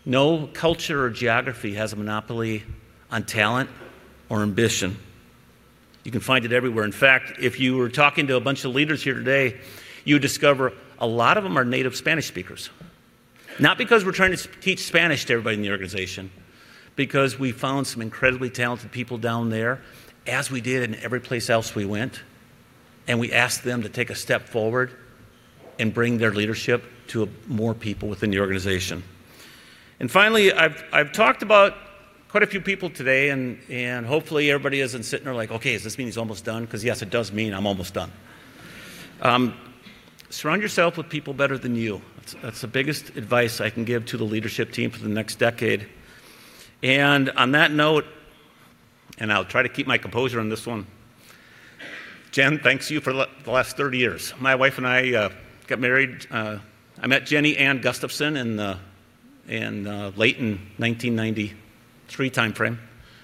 no culture or geography has a monopoly on talent or ambition. You can find it everywhere. In fact, if you were talking to a bunch of leaders here today, you would discover a lot of them are native Spanish speakers. Not because we're trying to teach Spanish to everybody in the organization, because we found some incredibly talented people down there, as we did in every place else we went, and we asked them to take a step forward and bring their leadership to more people within the organization. Finally, I've talked about quite a few people today and hopefully everybody isn't sitting there like, "Okay, does this mean he's almost done?" Because yes, it does mean I'm almost done. Surround yourself with people better than you. That's the biggest advice I can give to the leadership team for the next decade. On that note, and I'll try to keep my composure on this one, Jen, thanks to you for the last 30 years. My wife and I got married. I met Jenny Ann Gustafson late in 1993 timeframe.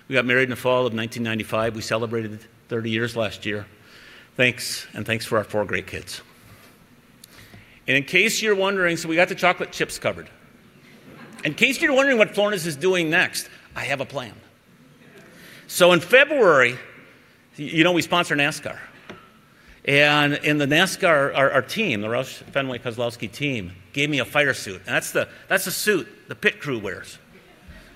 We got married in the fall of 1995. We celebrated 30 years last year. Thanks, and thanks for our four great kids. In case you're wondering, so we got the chocolate chips covered. In case you're wondering what Florness is doing next, I have a plan. In February, you know we sponsor NASCAR. In the NASCAR, our team, the Roush Fenway Keselowski Racing team, gave me a fire suit. That's the suit the pit crew wears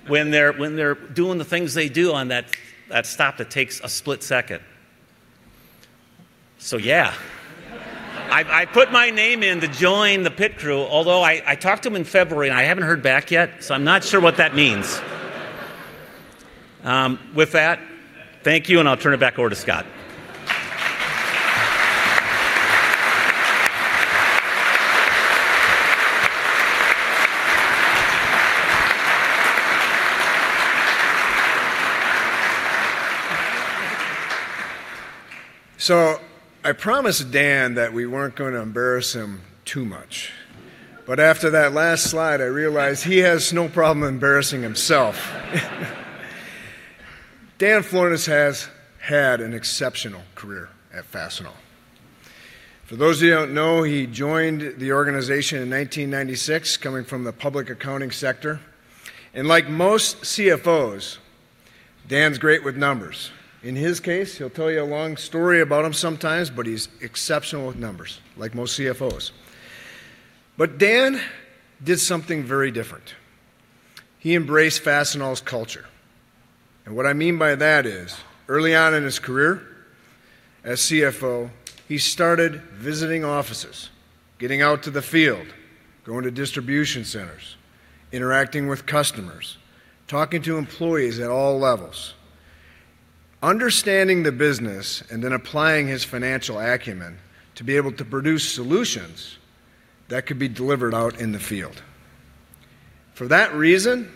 when they're doing the things they do on that stop that takes a split second. Yeah. I put my name in to join the pit crew, although I talked to him in February, and I haven't heard back yet, so I'm not sure what that means. With that, thank you, and I'll turn it back over to Scott. I promised Dan that we weren't going to embarrass him too much. After that last slide, I realized he has no problem embarrassing himself. Dan Florness has had an exceptional career at Fastenal. For those of you who don't know, he joined the organization in 1996, coming from the public accounting sector. Like most CFOs, Dan's great with numbers. In his case, he'll tell you a long story about them sometimes, but he's exceptional with numbers, like most CFOs. Dan did something very different. He embraced Fastenal's culture. What I mean by that is, early on in his career as CFO, he started visiting offices, getting out to the field, going to distribution centers, interacting with customers, talking to employees at all levels. Understanding the business and then applying his financial acumen to be able to produce solutions that could be delivered out in the field. For that reason,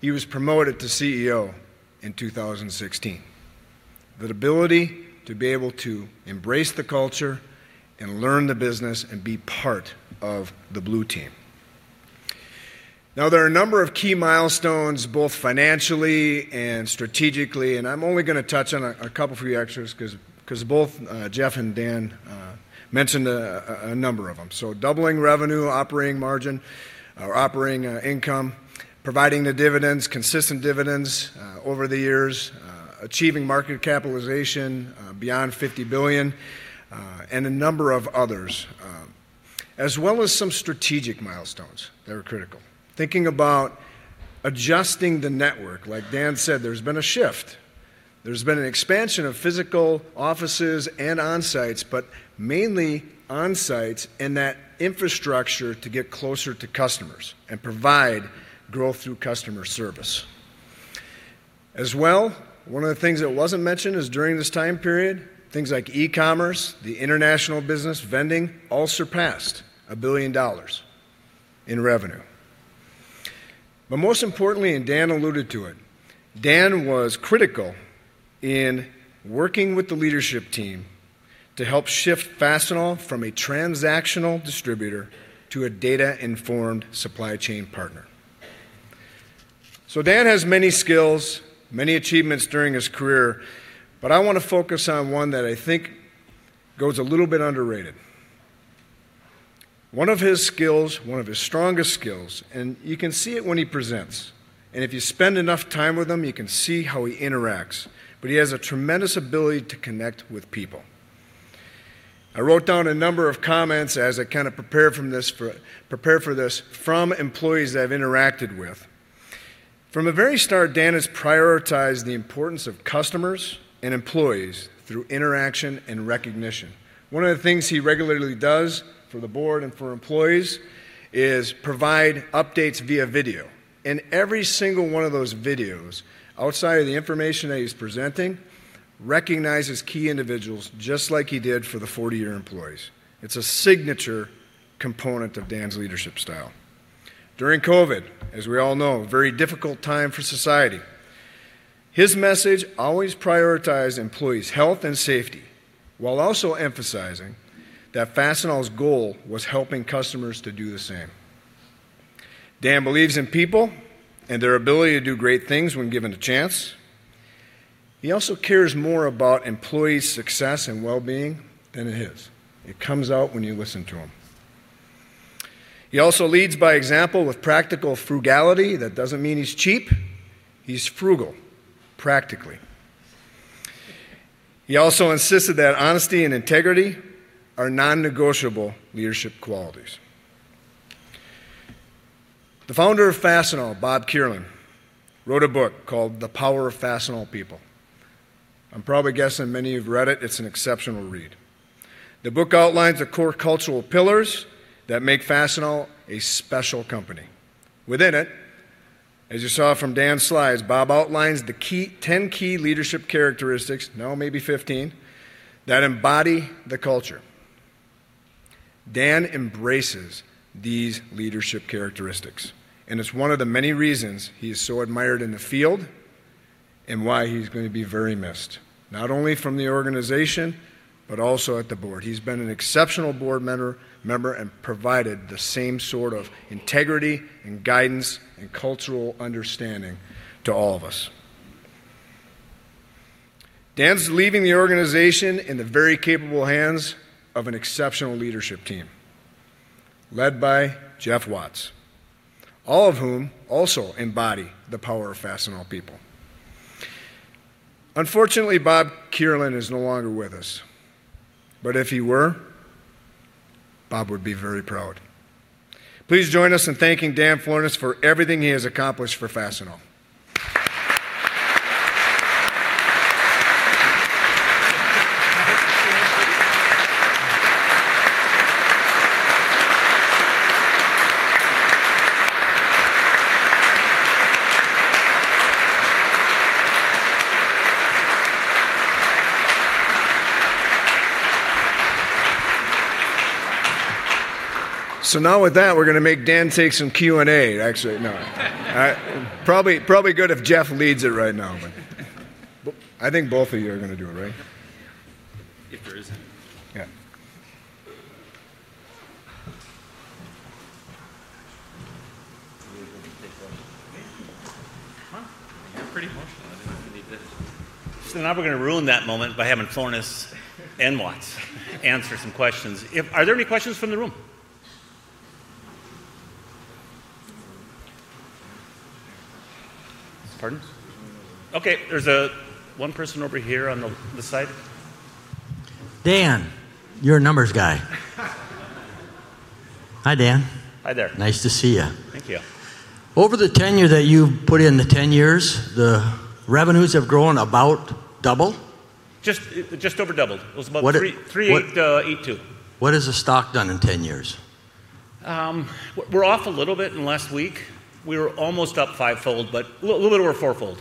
he was promoted to CEO in 2016. That ability to be able to embrace the culture and learn the business and be part of the Blue Team. Now, there are a number of key milestones, both financially and strategically, and I'm only going to touch on a couple few extras because both Jeff and Dan mentioned a number of them. Doubling revenue, operating margin or operating income. Providing the dividends, consistent dividends over the years. Achieving market capitalization beyond $50 billion, and a number of others. As well as some strategic milestones that are critical. Thinking about adjusting the network. Like Dan said, there's been a shift. There's been an expansion of physical offices and onsites, but mainly onsites and that infrastructure to get closer to customers and provide growth through customer service. As well, one of the things that wasn't mentioned is during this time period, things like eCommerce, the international business, vending, all surpassed $1 billion in revenue. Most importantly, and Dan alluded to it, Dan was critical in working with the leadership team to help shift Fastenal from a transactional distributor to a data-informed supply chain partner. Dan has many skills, many achievements during his career, but I want to focus on one that I think goes a little bit underrated. One of his skills, one of his strongest skills, and you can see it when he presents, and if you spend enough time with him, you can see how he interacts, but he has a tremendous ability to connect with people. I wrote down a number of comments as I prepared for this from employees that I've interacted with. From the very start, Dan has prioritized the importance of customers and employees through interaction and recognition. One of the things he regularly does for the board and for employees is provide updates via video, and every single one of those videos, outside of the information that he's presenting, recognizes key individuals just like he did for the 40-year employees. It's a signature component of Dan's leadership style. During COVID, as we all know, a very difficult time for society. His message always prioritized employees' health and safety, while also emphasizing that Fastenal's goal was helping customers to do the same. Dan believes in people and their ability to do great things when given the chance. He also cares more about employees' success and well-being than his. It comes out when you listen to him. He also leads by example with practical frugality. That doesn't mean he's cheap. He's frugal, practically. He also insisted that honesty and integrity are non-negotiable leadership qualities. The founder of Fastenal, Bob Kierlin, wrote a book called "The Power of Fastenal People." I'm probably guessing many of you have read it. It's an exceptional read. The book outlines the core cultural pillars that make Fastenal a special company. Within it, as you saw from Dan's slides, Bob outlines the 10 key leadership characteristics, now maybe 15, that embody the culture. Dan embraces these leadership characteristics, and it's one of the many reasons he is so admired in the field and why he's going to be very missed, not only from the organization, but also at the board. He's been an exceptional board member and provided the same sort of integrity and guidance and cultural understanding to all of us. Dan's leaving the organization in the very capable hands of an exceptional leadership team, led by Jeff Watts, all of whom also embody the power of Fastenal people. Unfortunately, Bob Kierlin is no longer with us, but if he were, Bob would be very proud. Please join us in thanking Dan Florness for everything he has accomplished for Fastenal. Now with that, we're going to make Dan take some Q&A. Actually, no. Probably good if Jeff leads it right now, but I think both of you are going to do it, right? If there is any. Yeah. You want me to take those? Yeah. You're pretty emotional. I think you need this. Now we're going to ruin that moment by having Florness and Watts answer some questions. Are there any questions from the room? Pardon? Okay. There's one person over here on this side. Dan, you're a numbers guy. Hi, Dan. Hi there. Nice to see you. Thank you. Over the tenure that you've put in, the 10 years, the revenues have grown about double? Just over doubled. It was about 3.82. What has the stock done in 10 years? We're off a little bit in the last week. We were almost up five-fold, but a little over four-fold.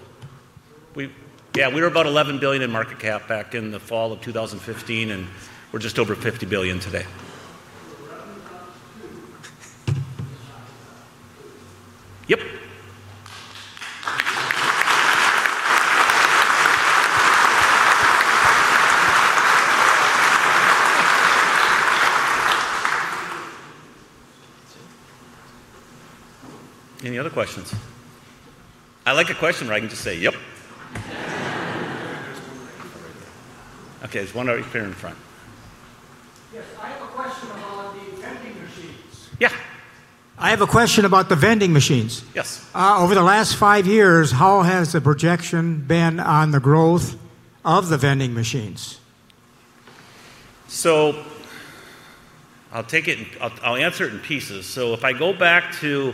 Yeah, we were about $11 billion in market cap back in the fall of 2015, and we're just over $50 billion today. Yep. Any other questions? I like a question where I can just say, "Yep. There's one right here in the front. I have a question about the vending machines. Yes. Over the last five years, how has the projection been on the growth of the vending machines? I'll answer it in pieces. If I go back to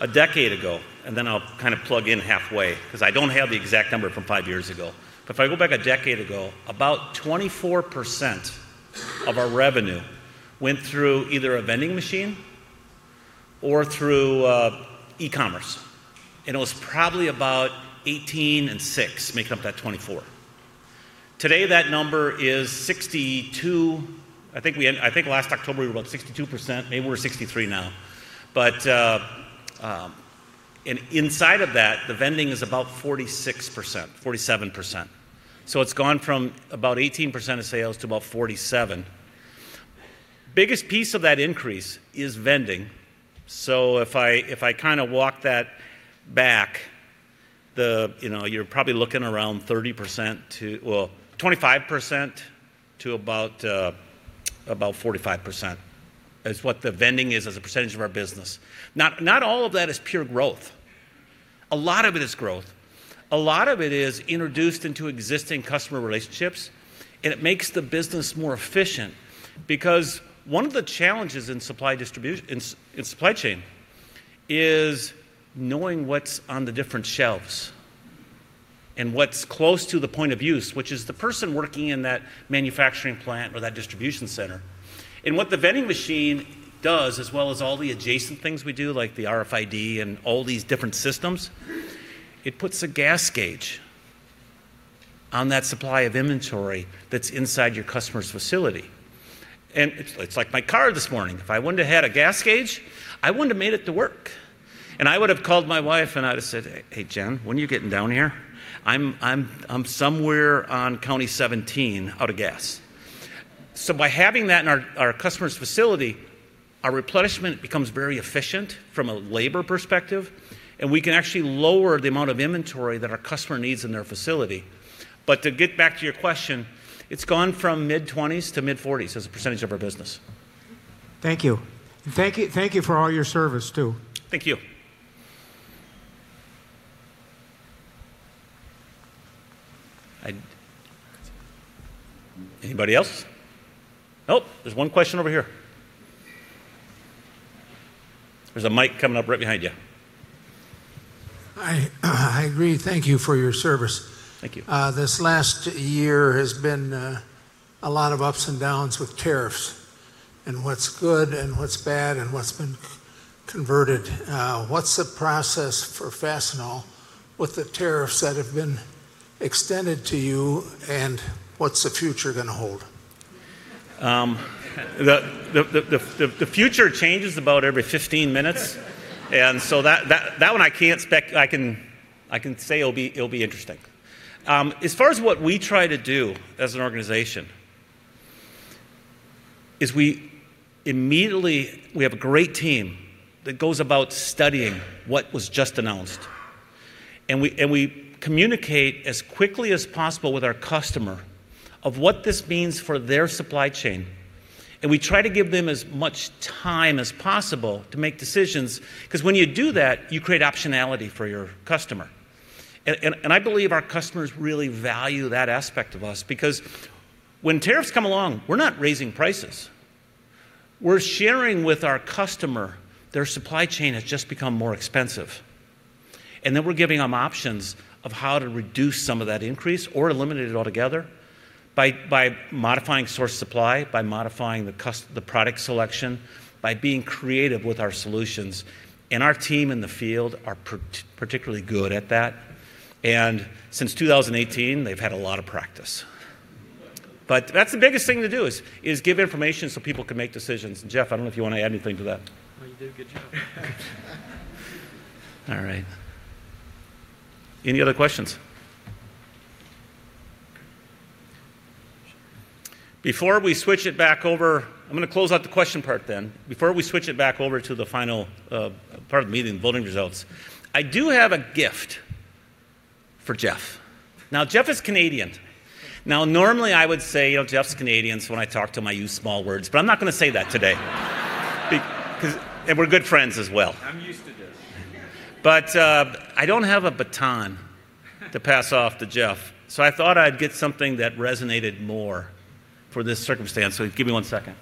a decade ago, and then I'll kind of plug in halfway, because I don't have the exact number from five years ago. If I go back a decade ago, about 24% of our revenue went through either a vending machine or through eCommerce, and it was probably about 18% and 6% making up that 24%. Today, that number is 62%. I think last October, we were about 62%, maybe we're 63% now. Inside of that, the vending is about 46%, 47%. It's gone from about 18% of sales to about 47%. Biggest piece of that increase is vending. If I kind of walk that back, you're probably looking around 30% to, well, 25% to about 45%, is what the vending is as a percentage of our business. Not all of that is pure growth. A lot of it is growth. A lot of it is introduced into existing customer relationships, and it makes the business more efficient. Because one of the challenges in supply chain is knowing what's on the different shelves and what's close to the point of use, which is the person working in that manufacturing plant or that distribution center. What the vending machine does, as well as all the adjacent things we do, like the RFID and all these different systems, it puts a gas gauge on that supply of inventory that's inside your customer's facility. It's like my car this morning. If I wouldn't have had a gas gauge, I wouldn't have made it to work. I would've called my wife and I'd have said, "Hey, Jen, when are you getting down here? I'm somewhere on County 17 out of gas." By having that in our customer's facility, our replenishment becomes very efficient from a labor perspective, and we can actually lower the amount of inventory that our customer needs in their facility. To get back to your question, it's gone from mid-20s% to mid-40s% of our business. Thank you. Thank you for all your service, too. Thank you. Anybody else? Oh, there's one question over here. There's a mic coming up right behind you. I agree. Thank you for your service. Thank you. This last year has been a lot of ups and downs with tariffs and what's good and what's bad and what's been converted. What's the process for Fastenal with the tariffs that have been extended to you, and what's the future going to hold? The future changes about every 15 minutes, and so that one I can't spec. I can say it'll be interesting. As far as what we try to do as an organization is we immediately have a great team that goes about studying what was just announced, and we communicate as quickly as possible with our customer of what this means for their supply chain, and we try to give them as much time as possible to make decisions. Because when you do that, you create optionality for your customer. I believe our customers really value that aspect of us because when tariffs come along, we're not raising prices. We're sharing with our customer their supply chain has just become more expensive, and then we're giving them options of how to reduce some of that increase or eliminate it altogether by modifying source supply, by modifying the product selection, by being creative with our solutions, and our team in the field are particularly good at that. Since 2018, they've had a lot of practice. That's the biggest thing to do, is give information so people can make decisions. Jeff, I don't know if you want to add anything to that. No, you did a good job. All right. Any other questions? Before we switch it back over, I'm going to close out the question part then. Before we switch it back over to the final part of the meeting, voting results, I do have a gift for Jeff. Now, Jeff is Canadian. Now, normally I would say, "Jeff's Canadian," so when I talk to him, I use small words. But I'm not going to say that today. We're good friends as well. I'm used to this. I don't have a baton to pass off to Jeff, so I thought I'd get something that resonated more for this circumstance. Give me one second.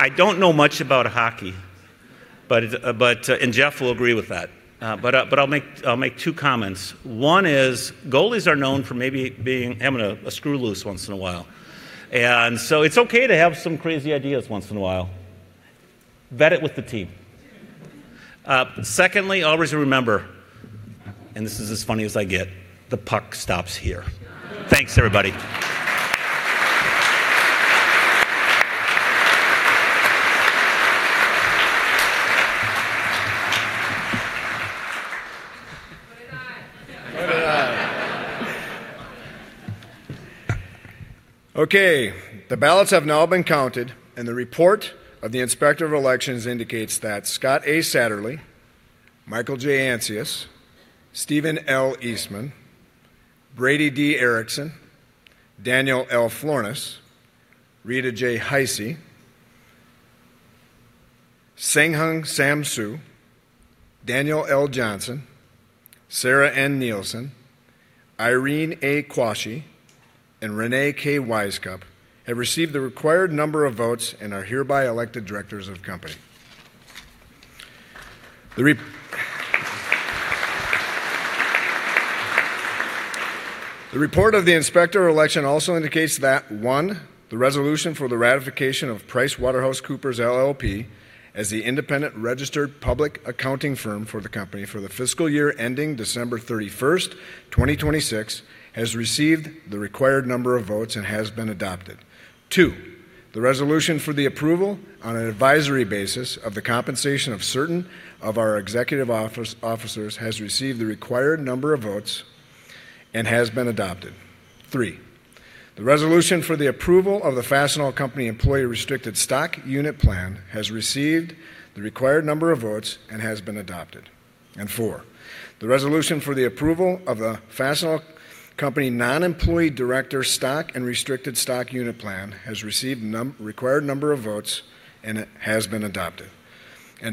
I don't know much about hockey, and Jeff will agree with that. I'll make two comments. One is goalies are known for maybe having a screw loose once in a while, and so it's okay to have some crazy ideas once in a while. Vet it with the team. Secondly, always remember, and this is as funny as I get, the puck stops here. Thanks, everybody. Okay. The ballots have now been counted, and the report of the Inspector of Elections indicates that Scott A. Satterlee, Michael J. Ancius, Stephen L. Eastman, Brady D. Ericson, Daniel L. Florness, Rita J. Heise, Hseng-Hung Sam Hsu, Daniel L. Johnson, Sarah N. Nielsen, Irene A. Quarshie, and Reyne K. Wisecup have received the required number of votes and are hereby elected directors of company. The report of the Inspector of Election also indicates that, one, the resolution for the ratification of PricewaterhouseCoopers LLP as the independent registered public accounting firm for the company for the fiscal year ending December 31st, 2026, has received the required number of votes and has been adopted. Two, the resolution for the approval on an advisory basis of the compensation of certain of our executive officers has received the required number of votes and has been adopted. Three, the resolution for the approval of the Fastenal Company Employee Restricted Stock Unit Plan has received the required number of votes and has been adopted. Four, the resolution for the approval of the Fastenal Company Non-Employee Director Stock and Restricted Stock Unit Plan has received the required number of votes and has been adopted.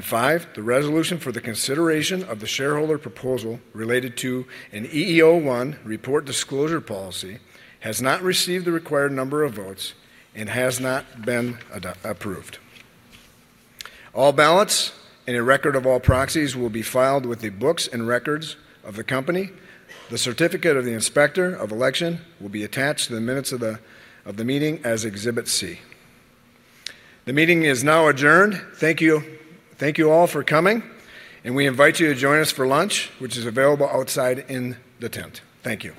Five, the resolution for the consideration of the shareholder proposal related to an EEO-1 report disclosure policy has not received the required number of votes and has not been approved. All ballots and a record of all proxies will be filed with the books and records of the company. The certificate of the Inspector of Election will be attached to the minutes of the meeting as Exhibit C. The meeting is now adjourned. Thank you all for coming, and we invite you to join us for lunch, which is available outside in the tent. Thank you.